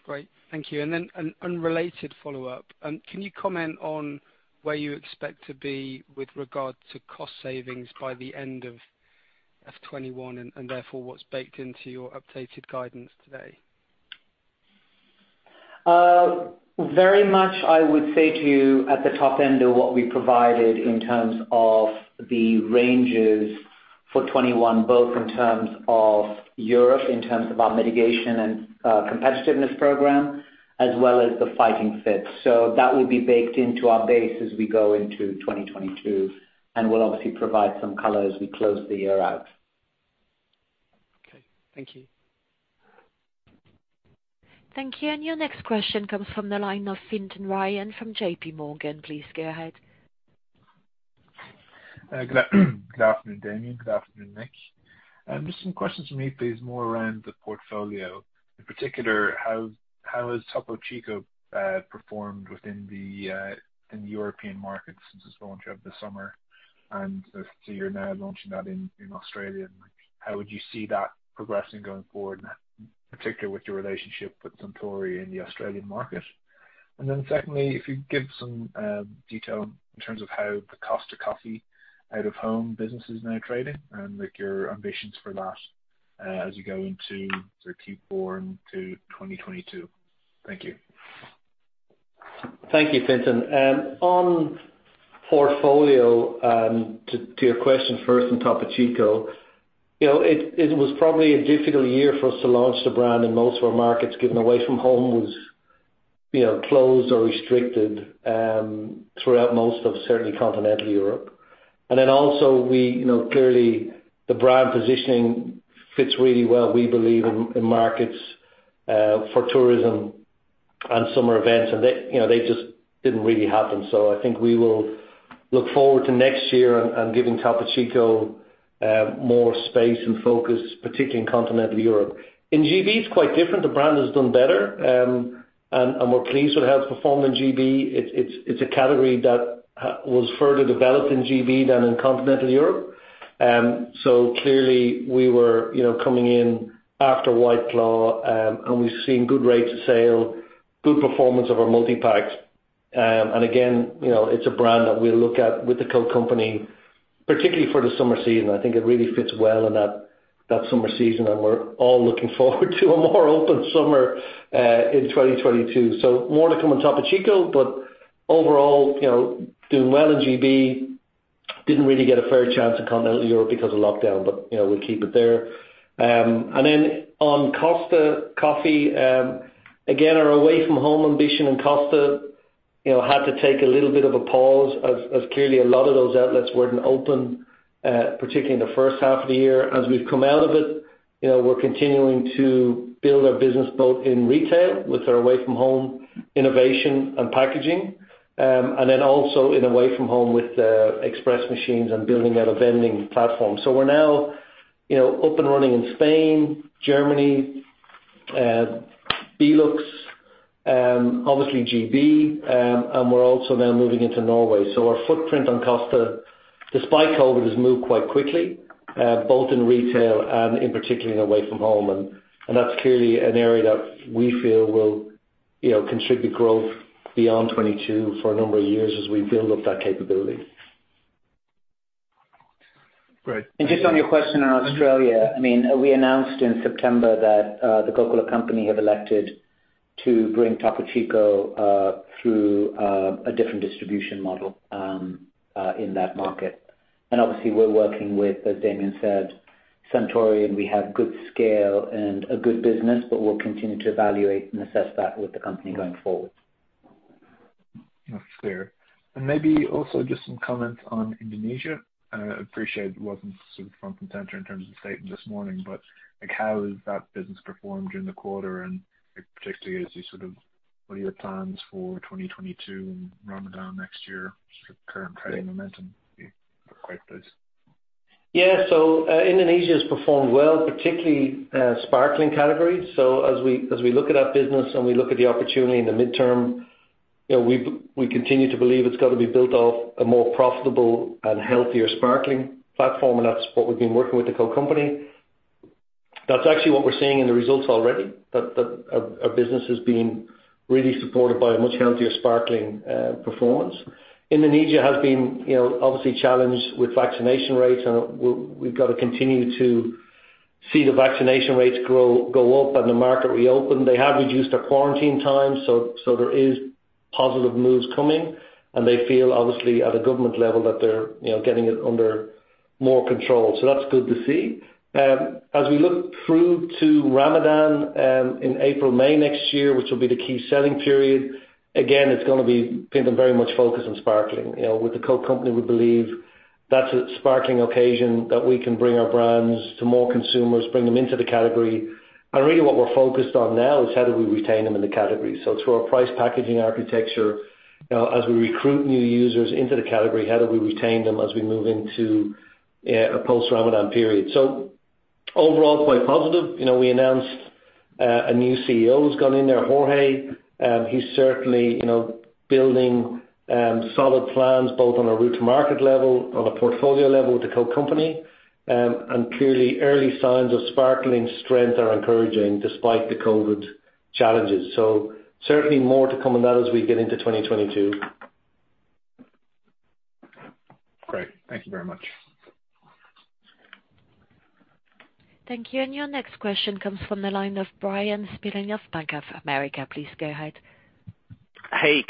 Great. Thank you. And then an unrelated follow-up. Can you comment on where you expect to be with regard to cost savings by the end of FY 2021, and therefore, what's baked into your updated guidance today? Very much, I would say to you, at the top end of what we provided in terms of the ranges for 2021, both in terms of Europe, in terms of our mitigation and, competitiveness program, as well as the Fighting Fit. So that will be baked into our base as we go into 2022, and we'll obviously provide some color as we close the year out. Okay, thank you. Thank you. And your next question comes from the line of Fintan Ryan from J.P. Morgan. Please go ahead. Good afternoon, Damian. Good afternoon, Nik. Just some questions from me, please, more around the portfolio. In particular, how has Topo Chico performed within the in the European markets since the launch of the summer? And I see you're now launching that in Australia. How would you see that progressing going forward, in particular with your relationship with Suntory in the Australian market? And then secondly, if you give some detail in terms of how the Costa Coffee out-of-home business is now trading and, like, your ambitions for that as you go into Q4 and to 2022. Thank you. Thank you, Fintan. On portfolio, to your question first on Topo Chico, you know, it was probably a difficult year for us to launch the brand in most of our markets, given away-from-home was, you know, closed or restricted, throughout most of, certainly Continental Europe. And then also we, you know, clearly the brand positioning fits really well, we believe, in markets, for tourism and summer events. And they, you know, they just didn't really happen. So I think we will look forward to next year and giving Topo Chico, more space and focus, particularly in Continental Europe. In GB, it's quite different. The brand has done better, and we're pleased with how it's performed in GB. It's a category that was further developed in GB than in Continental Europe. So clearly, we were, you know, coming in after White Claw, and we've seen good rates of sale, good performance of our multipacks. And again, you know, it's a brand that we look at with the Coke Company, particularly for the summer season. I think it really fits well in that summer season, and we're all looking forward to a more open summer in 2022. So more to come on Topo Chico, but overall, you know, doing well in GB. Didn't really get a fair chance in Continental Europe because of lockdown, but, you know, we'll keep it there. And then on Costa Coffee, again, our away-from-home ambition in Costa, you know, had to take a little bit of a pause, as clearly, a lot of those outlets weren't open, particularly in the first half of the year. As we've come out of it, you know, we're continuing to build our business both in retail with our away-from-home innovation and packaging, and then also in away from home with the Express machines and building out a vending platform. So we're now, you know, up and running in Spain, Germany, Belux, obviously GB, and we're also now moving into Norway. So our footprint on Costa, despite COVID, has moved quite quickly, both in retail and in particular in away from home. And that's clearly an area that we feel will, you know, contribute growth beyond 2022 for a number of years as we build up that capability. Great. Just on your question on Australia, I mean, we announced in September that the Coca-Cola Company have elected to bring Topo Chico through a different distribution model in that market. Obviously, we're working with, as Damian said, Suntory, and we have good scale and a good business, but we'll continue to evaluate and assess that with the company going forward. That's clear. And maybe also just some comments on Indonesia. Appreciate it wasn't sort of front and center in terms of the statement this morning, but, like, how has that business performed during the quarter, and particularly as you sort of, what are your plans for 2022 and Ramadan next year, sort of current trading momentum? We'd be quite pleased. Yeah. So, Indonesia has performed well, particularly, sparkling categories. So as we look at that business and we look at the opportunity in the midterm, you know, we continue to believe it's got to be built off a more profitable and healthier sparkling platform, and that's what we've been working with the Coke Company. That's actually what we're seeing in the results already, that our business is being really supported by a much healthier sparkling performance. Indonesia has been, you know, obviously challenged with vaccination rates, and we've got to continue to see the vaccination rates grow, go up and the market reopen. They have reduced their quarantine times, so there is positive moves coming, and they feel, obviously, at a government level, that they're, you know, getting it under more control. So that's good to see. As we look through to Ramadan, in April, May next year, which will be the key selling period, again, it's gonna be pinned and very much focused on sparkling. You know, with the Coke Company, we believe that's a sparkling occasion, that we can bring our brands to more consumers, bring them into the category. And really what we're focused on now is how do we retain them in the category? So through our price packaging architecture, you know, as we recruit new users into the category, how do we retain them as we move into a post-Ramadan period? So overall, it's quite positive. You know, we announced a new CEO who's gone in there, Jorge. He's certainly, you know, building solid plans, both on a route-to-market level, on a portfolio level with the Coke Company. And clearly, early signs of sparkling strength are encouraging despite the COVID challenges. So certainly more to come on that as we get into 2022. Great. Thank you very much. Thank you. And your next question comes from the line of Bryan Spillane of Bank of America. Please go ahead. Hey,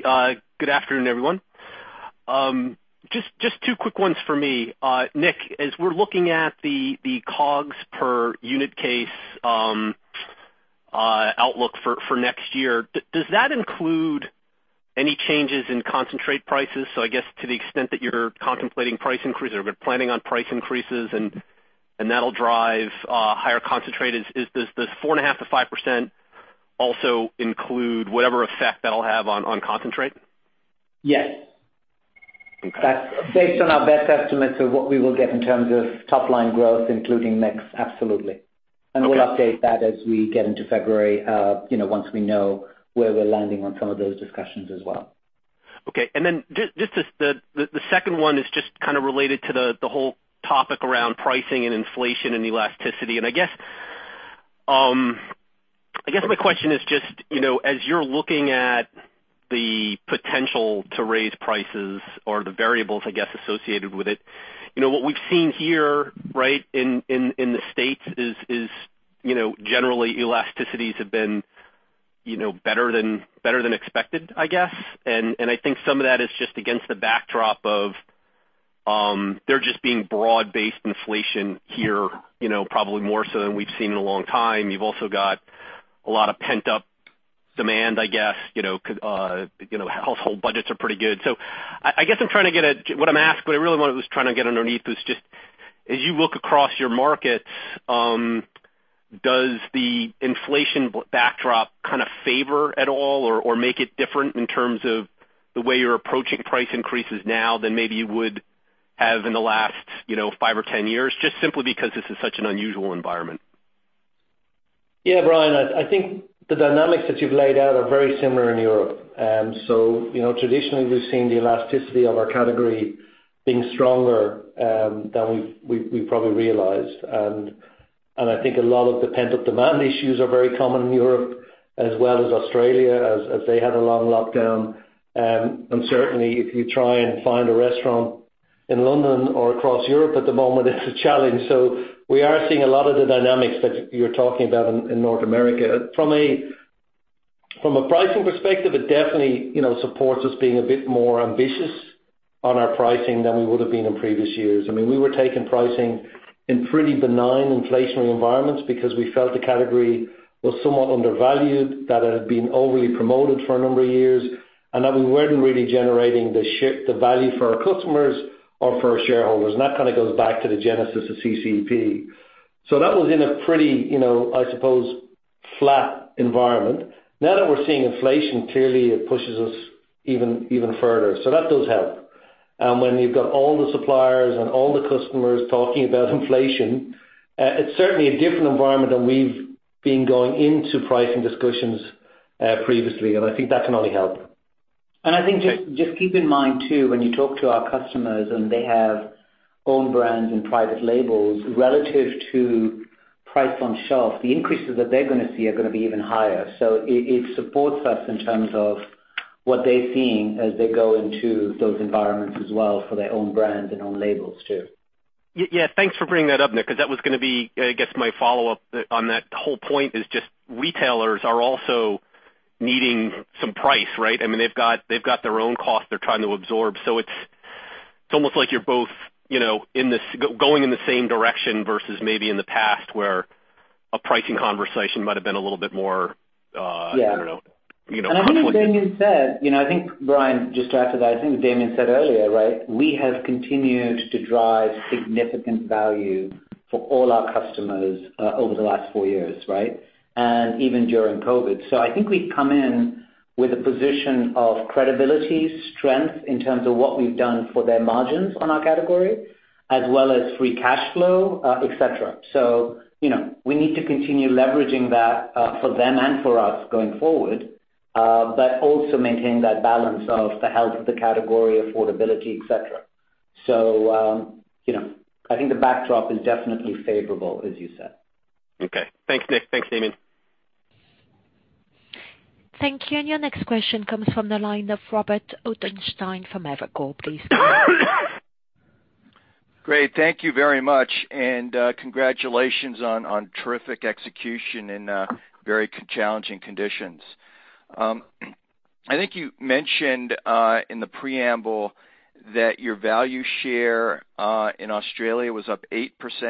good afternoon, everyone. Just two quick ones for me. Nik, as we're looking at the COGS per unit case, outlook for next year, does that include any changes in concentrate prices? So I guess to the extent that you're contemplating price increases or planning on price increases and that'll drive higher concentrate, does this 4.5%-5% also include whatever effect that'll have on concentrate? Yes. That's based on our best estimates of what we will get in terms of top line growth, including mix, absolutely. And we'll update that as we get into February, you know, once we know where we're landing on some of those discussions as well. Okay. And then just the second one is just kind of related to the whole topic around pricing and inflation and elasticity. And I guess, I guess my question is just, you know, as you're looking at the potential to raise prices or the variables, I guess, associated with it, you know, what we've seen here, right, in the States is, you know, generally elasticities have been, you know, better than expected, I guess. And I think some of that is just against the backdrop of there just being broad-based inflation here, you know, probably more so than we've seen in a long time. You've also got a lot of pent-up demand, I guess, you know, household budgets are pretty good. So I guess I'm trying to get at... What I'm asking, what I really was trying to get underneath is just, as you look across your markets, does the inflation backdrop kind of favor at all or, or make it different in terms of the way you're approaching price increases now than maybe you would have in the last, you know, five or ten years, just simply because this is such an unusual environment? Yeah, Bryan, I think the dynamics that you've laid out are very similar in Europe. So you know, traditionally, we've seen the elasticity of our category being stronger than we've probably realized. And I think a lot of the pent-up demand issues are very common in Europe as well as Australia, as they had a long lockdown. And certainly, if you try and find a restaurant in London or across Europe at the moment, it's a challenge. So we are seeing a lot of the dynamics that you're talking about in North America. From a pricing perspective, it definitely, you know, supports us being a bit more ambitious on our pricing than we would have been in previous years. I mean, we were taking pricing in pretty benign inflationary environments because we felt the category was somewhat undervalued, that it had been overly promoted for a number of years, and that we weren't really generating the the value for our customers or for our shareholders, and that kind of goes back to the genesis of CCEP. So that was in a pretty, you know, I suppose, flat environment. Now that we're seeing inflation, clearly it pushes us even further, so that does help. And when you've got all the suppliers and all the customers talking about inflation, it's certainly a different environment than we've been going into pricing discussions, previously, and I think that can only help. I think just keep in mind, too, when you talk to our customers, and they have own brands and private labels, relative to price on shelf, the increases that they're gonna see are gonna be even higher. So it supports us in terms of what they're seeing as they go into those environments as well for their own brands and own labels, too. Yeah, thanks for bringing that up, Nik, because that was gonna be, I guess, my follow-up on that whole point is just retailers are also needing some price, right? I mean, they've got, they've got their own cost they're trying to absorb. So it's, it's almost like you're both, you know, in this going in the same direction versus maybe in the past, where a pricing conversation might have been a little bit more. I don't know, you know, complicated. And I think Damian said. You know, I think, Bryan, just to add to that, I think Damian said earlier, right, we have continued to drive significant value for all our customers, over the last four years, right? And even during COVID. So I think we've come in with a position of credibility, strength in terms of what we've done for their margins on our category, as well as free cash flow, et cetera. So, you know, we need to continue leveraging that, for them and for us going forward, but also maintain that balance of the health of the category, affordability, et cetera. So, you know, I think the backdrop is definitely favorable, as you said. Okay. Thanks, Nik. Thanks, Damian. Thank you. And your next question comes from the line of Robert Ottenstein from Evercore, please. Great. Thank you very much, and congratulations on terrific execution in very challenging conditions. I think you mentioned in the preamble that your value share in Australia was up 8%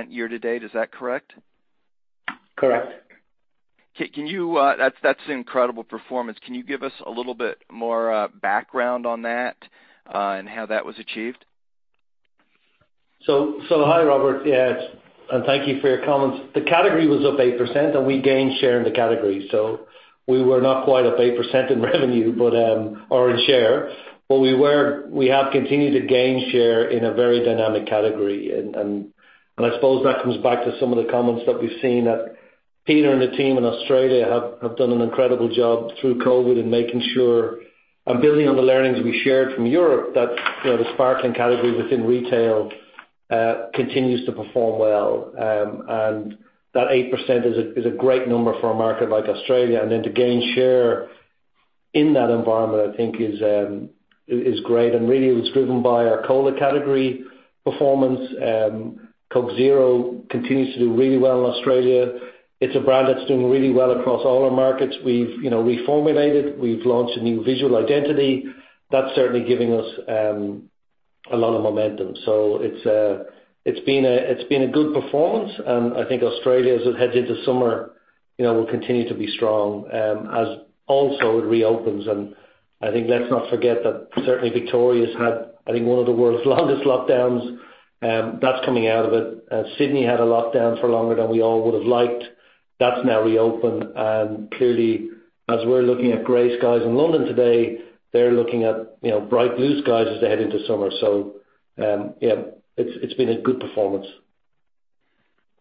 year to date. Is that correct? Correct. That's, that's an incredible performance. Can you give us a little bit more background on that and how that was achieved? Hi, Robert, yeah, and thank you for your comments. The category was up 8%, and we gained share in the category. We were not quite up 8% in revenue, but or in share, but we have continued to gain share in a very dynamic category. I suppose that comes back to some of the comments that we've seen, that Peter and the team in Australia have done an incredible job through COVID in making sure and building on the learnings we shared from Europe, that you know, the sparkling category within retail continues to perform well. And that 8% is a great number for a market like Australia, and then to gain share in that environment, I think is great, and really it was driven by our cola category performance. Coke Zero continues to do really well in Australia. It's a brand that's doing really well across all our markets. We've, you know, reformulated, we've launched a new visual identity. That's certainly giving us a lot of momentum. So it's been a good performance, and I think Australia, as it heads into summer, you know, will continue to be strong, as also it reopens. And I think let's not forget that certainly Victoria's had, I think, one of the world's longest lockdowns, that's coming out of it. And Sydney had a lockdown for longer than we all would have liked. That's now reopened. And clearly, as we're looking at gray skies in London today, they're looking at, you know, bright blue skies as they head into summer. So, yeah, it's been a good performance.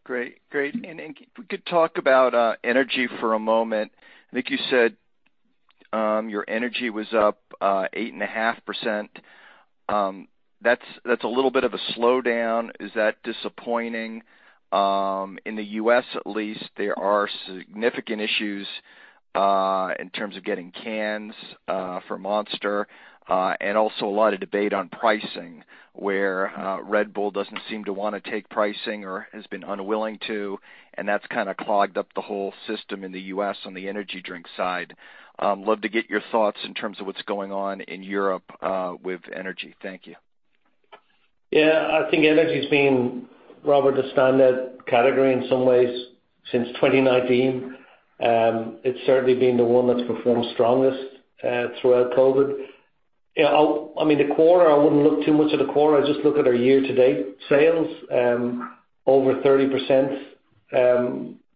Great. Great. And if we could talk about energy for a moment. I think you said your energy was up 8.5%. That's a little bit of a slowdown. Is that disappointing? In the U.S., at least, there are significant issues in terms of getting cans for Monster, and also a lot of debate on pricing, where Red Bull doesn't seem to want to take pricing or has been unwilling to, and that's kind of clogged up the whole system in the U.S. on the energy drink side. Love to get your thoughts in terms of what's going on in Europe with energy. Thank you. Yeah, I think energy's been rather the standard category in some ways since twenty nineteen. It's certainly been the one that's performed strongest throughout COVID. Yeah, I mean, the quarter, I wouldn't look too much at the quarter. I'd just look at our year-to-date sales over 30%.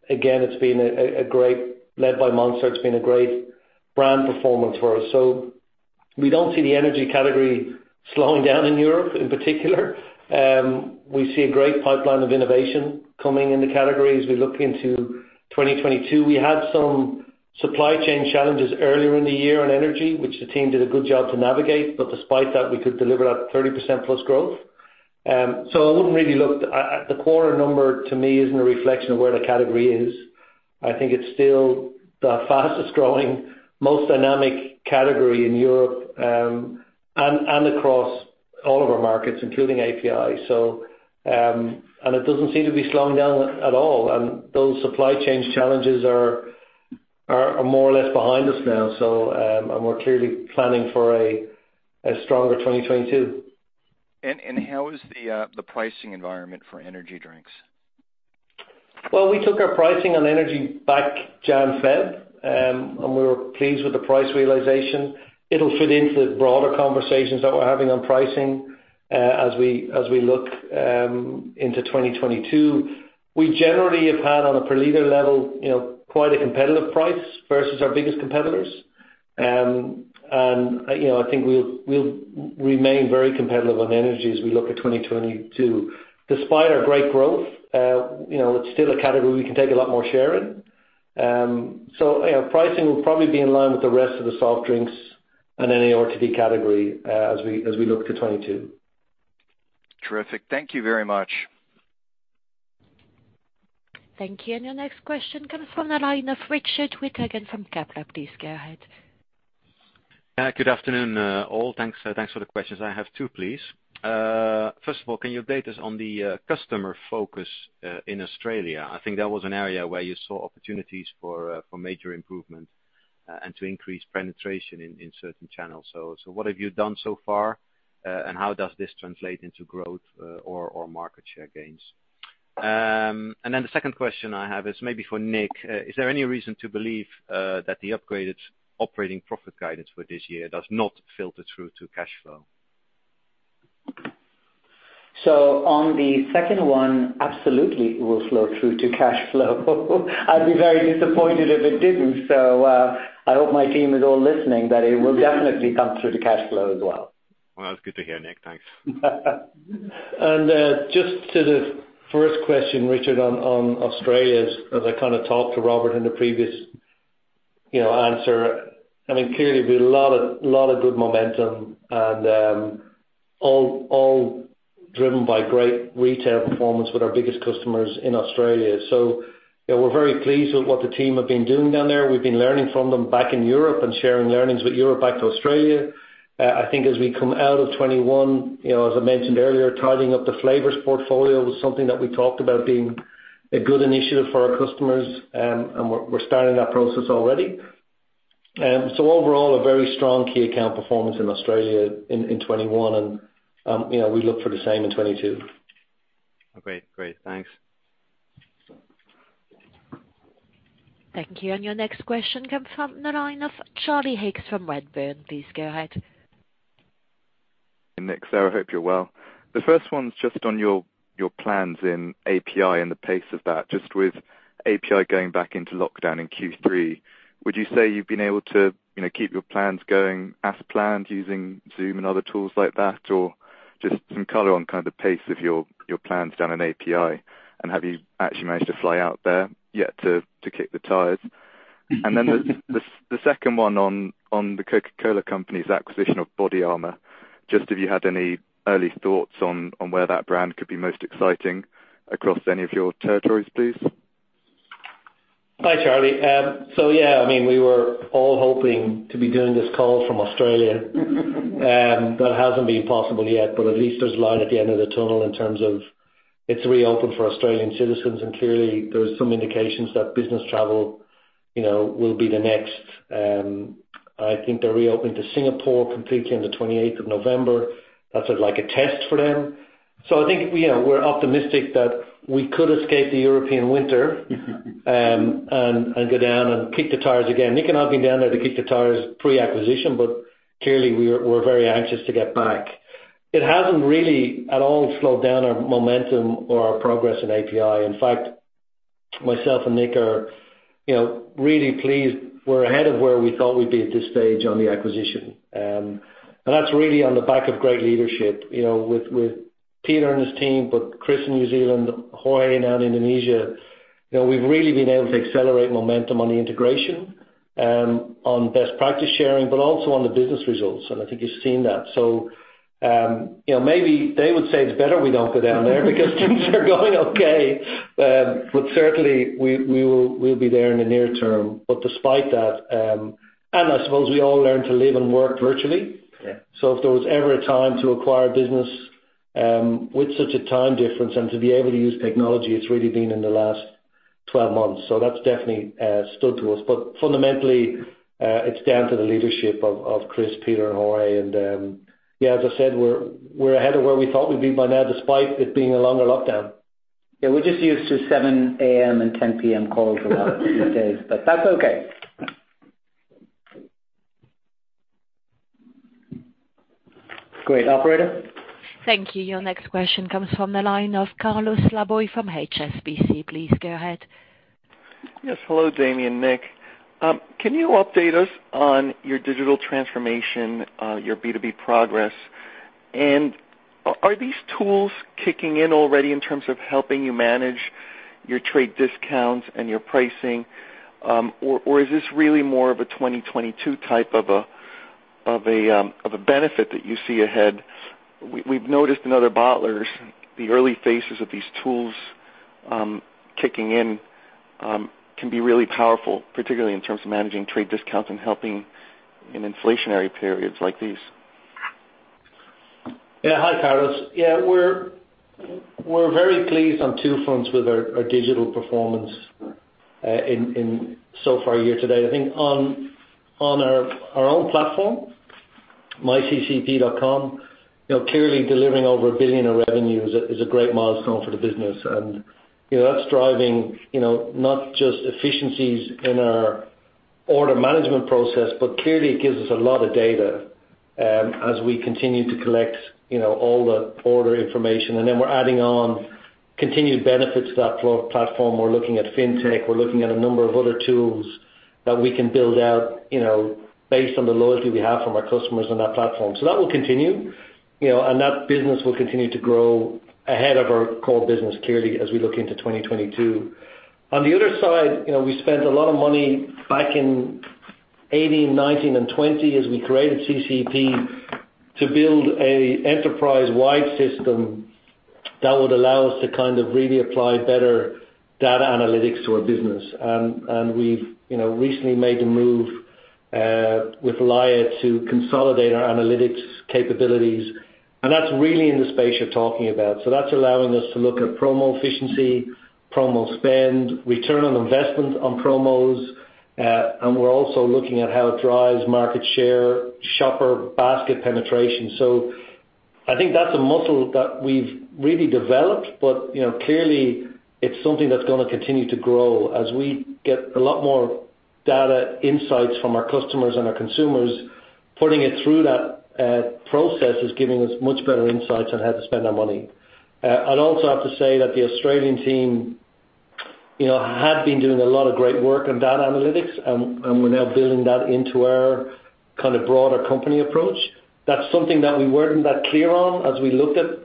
Again, it's been a great... led by Monster, it's been a great brand performance for us. So we don't see the energy category slowing down in Europe in particular. We see a great pipeline of innovation coming in the category as we look into 2022. We had some supply chain challenges earlier in the year on energy, which the team did a good job to navigate, but despite that, we could deliver that 30% plus growth. So I wouldn't really look at at... The quarter number to me isn't a reflection of where the category is. I think it's still the fastest growing, most dynamic category in Europe, and across all of our markets, including API. So, and it doesn't seem to be slowing down at all, and those supply chain challenges are more or less behind us now. So, and we're clearly planning for a stronger 2022. How is the pricing environment for energy drinks? We took our pricing on energy back in January, February, and we were pleased with the price realization. It'll fit into the broader conversations that we're having on pricing, as we look into 2022. We generally have had, on a per liter level, you know, quite a competitive price versus our biggest competitors. And, you know, I think we'll remain very competitive on energy as we look at 2022. Despite our great growth, you know, it's still a category we can take a lot more share in. So, you know, pricing will probably be in line with the rest of the soft drinks and any RTD category, as we look to 2022. Terrific. Thank you very much. Thank you. And your next question comes from the line of Richard Withagen from Kepler Cheuvreux. Please go ahead. Good afternoon, all. Thanks, thanks for the questions. I have two, please. First of all, can you update us on the customer focus in Australia? I think that was an area where you saw opportunities for major improvement, and to increase penetration in certain channels. So, what have you done so far, and how does this translate into growth, or market share gains? And then the second question I have is maybe for Nik. Is there any reason to believe that the upgraded operating profit guidance for this year does not filter through to cash flow? So on the second one, absolutely it will flow through to cash flow. I'd be very disappointed if it didn't, so, I hope my team is all listening, that it will definitely come through to cash flow as well. Well, that's good to hear, Nik. Thanks. Just to the first question, Richard, on Australia, as I kind of talked to Robert in the previous, you know, answer, I mean, clearly, a lot of good momentum and all driven by great retail performance with our biggest customers in Australia. So, you know, we're very pleased with what the team have been doing down there. We've been learning from them back in Europe and sharing learnings with Europe back to Australia. I think as we come out of 2021, you know, as I mentioned earlier, tidying up the flavors portfolio was something that we talked about being a good initiative for our customers, and we're starting that process already. So overall, a very strong key account performance in Australia in 2021, and, you know, we look for the same in 2022. Great. Great. Thanks. Thank you. And your next question comes from the line of Charlie Higgs from Redburn. Please go ahead. Nik, Sarah, I hope you're well. The first one's just on your, your plans in API and the pace of that. Just with API going back into lockdown in Q3, would you say you've been able to, you know, keep your plans going as planned, using Zoom and other tools like that? Or just some color on kind of the pace of your, your plans down in API, and have you actually managed to fly out there yet to, to kick the tires?... And then the second one on the Coca-Cola Company's acquisition of Bodyarmor, just if you had any early thoughts on where that brand could be most exciting across any of your territories, please? Hi, Charlie. So yeah, I mean, we were all hoping to be doing this call from Australia. That hasn't been possible yet, but at least there's light at the end of the tunnel in terms of it's reopened for Australian citizens, and clearly, there's some indications that business travel, you know, will be the next. I think they're reopening to Singapore completely on the twenty-eighth of November. That's like a test for them. I think, you know, we're optimistic that we could escape the European winter, and go down and kick the tires again. Nik and I have been down there to kick the tires pre-acquisition, but clearly, we're very anxious to get back. It hasn't really at all slowed down our momentum or our progress in API. In fact, myself and Nik are, you know, really pleased. We're ahead of where we thought we'd be at this stage on the acquisition. And that's really on the back of great leadership, you know, with Peter and his team, but Chris in New Zealand, Jorge now in Indonesia. You know, we've really been able to accelerate momentum on the integration, on best practice sharing, but also on the business results, and I think you've seen that. So, you know, maybe they would say it's better we don't go down there because things are going okay. But certainly, we'll be there in the near term. But despite that, and I suppose we all learned to live and work virtually. So if there was ever a time to acquire a business, with such a time difference and to be able to use technology, it's really been in the last twelve months. So that's definitely stood to us. But fundamentally, it's down to the leadership of Chris, Peter, and Jorge. And yeah, as I said, we're ahead of where we thought we'd be by now, despite it being a longer lockdown. Yeah, we're just used to 7:00 A.M. and 10:00 P.M. calls a lot these days, but that's okay. Great. Operator? Thank you. Your next question comes from the line of Carlos Laboy from HSBC. Please go ahead. Yes, hello, Damian and Nik. Can you update us on your digital transformation, your B2B progress? And are these tools kicking in already in terms of helping you manage your trade discounts and your pricing, or is this really more of a 2022 type of a benefit that you see ahead? We've noticed in other bottlers, the early phases of these tools kicking in can be really powerful, particularly in terms of managing trade discounts and helping in inflationary periods like these. Yeah. Hi, Carlos. Yeah, we're very pleased on two fronts with our digital performance in so far year to date. I think on our own platform, myccep.com, you know, clearly delivering over 1 billion in revenue is a great milestone for the business. And, you know, that's driving, you know, not just efficiencies in our order management process, but clearly it gives us a lot of data as we continue to collect, you know, all the order information. And then we're adding on continued benefit to that platform. We're looking at fintech. We're looking at a number of other tools that we can build out, you know, based on the loyalty we have from our customers on that platform. So that will continue, you know, and that business will continue to grow ahead of our core business, clearly, as we look into 2022. On the other side, you know, we spent a lot of money back in 2018, 2019, and 2020 as we created CCEP, to build an enterprise-wide system that would allow us to kind of really apply better data analytics to our business. And we've, you know, recently made the move with Laia to consolidate our analytics capabilities, and that's really in the space you're talking about. So that's allowing us to look at promo efficiency, promo spend, return on investment on promos, and we're also looking at how it drives market share, shopper basket penetration. So I think that's a muscle that we've really developed, but, you know, clearly, it's something that's gonna continue to grow. As we get a lot more data insights from our customers and our consumers, putting it through that process is giving us much better insights on how to spend our money. I'd also have to say that the Australian team, you know, had been doing a lot of great work on data analytics, and we're now building that into our kind of broader company approach. That's something that we weren't that clear on as we looked at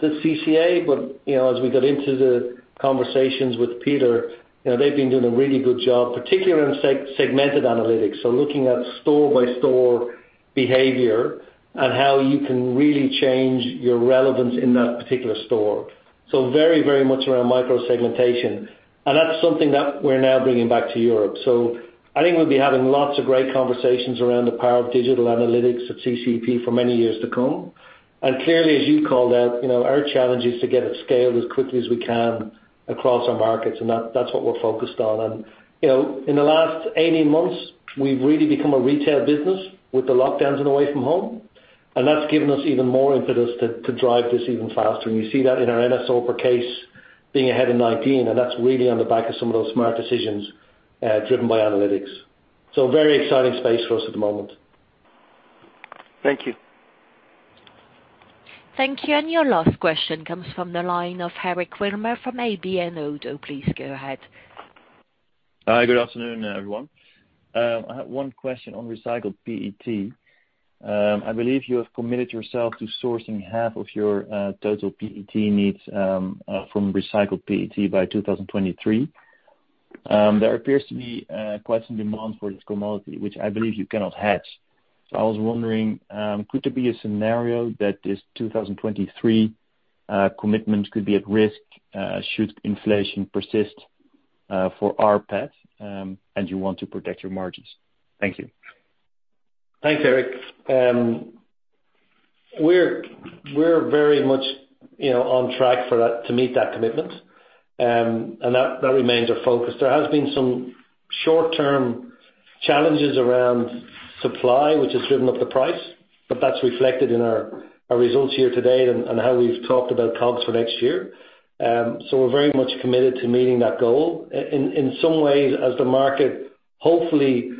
the CCA, but, you know, as we got into the conversations with Peter, you know, they've been doing a really good job, particularly in segmented analytics. So looking at store-by-store behavior and how you can really change your relevance in that particular store. So very, very much around micro segmentation, and that's something that we're now bringing back to Europe. So I think we'll be having lots of great conversations around the power of digital analytics at CCEP for many years to come. And clearly, as you called out, you know, our challenge is to get it scaled as quickly as we can across our markets, and that's what we're focused on. And, you know, in the last 18 months, we've really become a retail business with the lockdowns and away from home, and that's given us even more impetus to drive this even faster. And you see that in our in-store promo case being ahead in 19, and that's really on the back of some of those smart decisions driven by analytics. So very exciting space for us at the moment. Thank you. Thank you. And your last question comes from the line of Eric Wimmer from ABN Oddo. Please go ahead. Good afternoon, everyone. I have one question on recycled PET. I believe you have committed yourself to sourcing half of your total PET needs from recycled PET by 2023. There appears to be quite some demand for this commodity, which I believe you cannot hedge. So I was wondering, could there be a scenario that this 2023 commitment could be at risk, should inflation persist for rPET, and you want to protect your margins? Thank you. Thanks, Eric. We're very much, you know, on track for that, to meet that commitment. And that remains our focus. There has been some short-term challenges around supply, which has driven up the price, but that's reflected in our results here today and how we've talked about costs for next year. So we're very much committed to meeting that goal. In some ways, as the market hopefully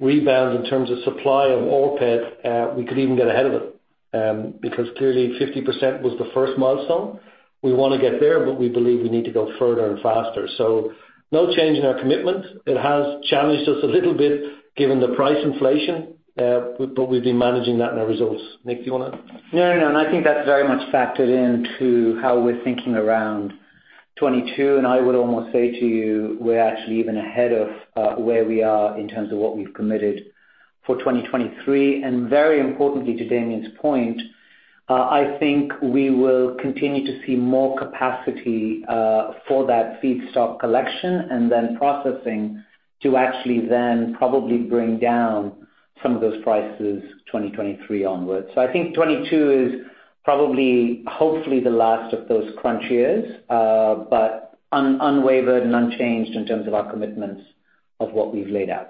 rebounds in terms of supply of all PET, we could even get ahead of it. Because clearly 50% was the first milestone. We want to get there, but we believe we need to go further and faster. So no change in our commitment. It has challenged us a little bit given the price inflation, but we've been managing that in our results. Nik, do you wanna? No, no, and I think that's very much factored into how we're thinking around 2022, and I would almost say to you, we're actually even ahead of where we are in terms of what we've committed for 2023. And very importantly to Damian's point, I think we will continue to see more capacity for that feedstock collection, and then processing, to actually then probably bring down some of those prices 2023 onwards. So I think 2022 is probably, hopefully, the last of those crunch years, but unwavering and unchanged in terms of our commitments of what we've laid out.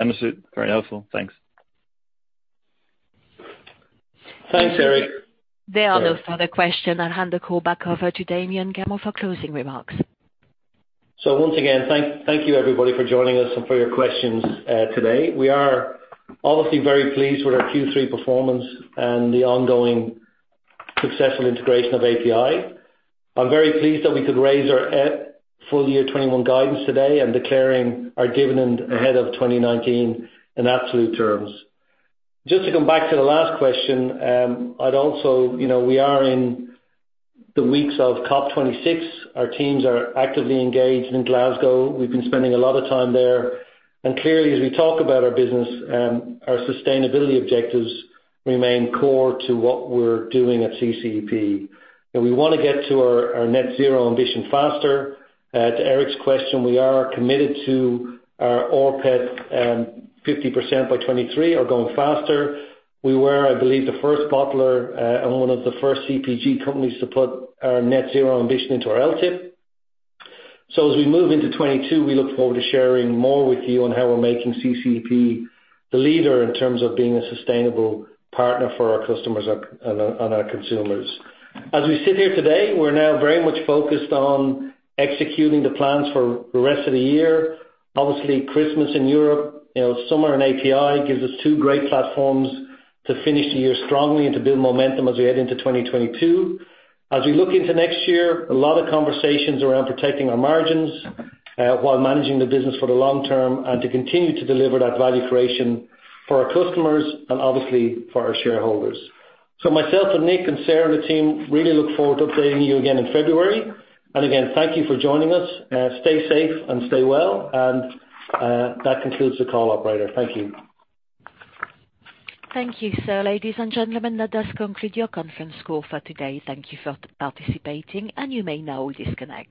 Understood. Very helpful. Thanks. Thanks, Eric. There are no further questions. I'll hand the call back over to Damian Gammell for closing remarks. So once again, thank you everybody for joining us and for your questions today. We are obviously very pleased with our Q3 performance and the ongoing successful integration of API. I'm very pleased that we could raise our full year 2021 guidance today and declaring our dividend ahead of 2019 in absolute terms. Just to come back to the last question, I'd also. You know, we are in the weeks of COP26. Our teams are actively engaged in Glasgow. We've been spending a lot of time there. And clearly, as we talk about our business, our sustainability objectives remain core to what we're doing at CCEP. And we want to get to our net zero ambition faster. To Eric's question, we are committed to our rPET 50% by 2023 or going faster. We were, I believe, the first bottler and one of the first CPG companies to put our net zero ambition into our LTIP, so as we move into 2022, we look forward to sharing more with you on how we're making CCEP the leader in terms of being a sustainable partner for our customers and our consumers. As we sit here today, we're now very much focused on executing the plans for the rest of the year. Obviously, Christmas in Europe, you know, summer in API, gives us two great platforms to finish the year strongly and to build momentum as we head into 2022. As we look into next year, a lot of conversations around protecting our margins while managing the business for the long term, and to continue to deliver that value creation for our customers and obviously for our shareholders. So myself and Nik and Sarah and the team really look forward to updating you again in February. And again, thank you for joining us. Stay safe and stay well, and that concludes the call, operator. Thank you. Thank you, sir. Ladies and gentlemen, that does conclude your conference call for today. Thank you for participating, and you may now disconnect.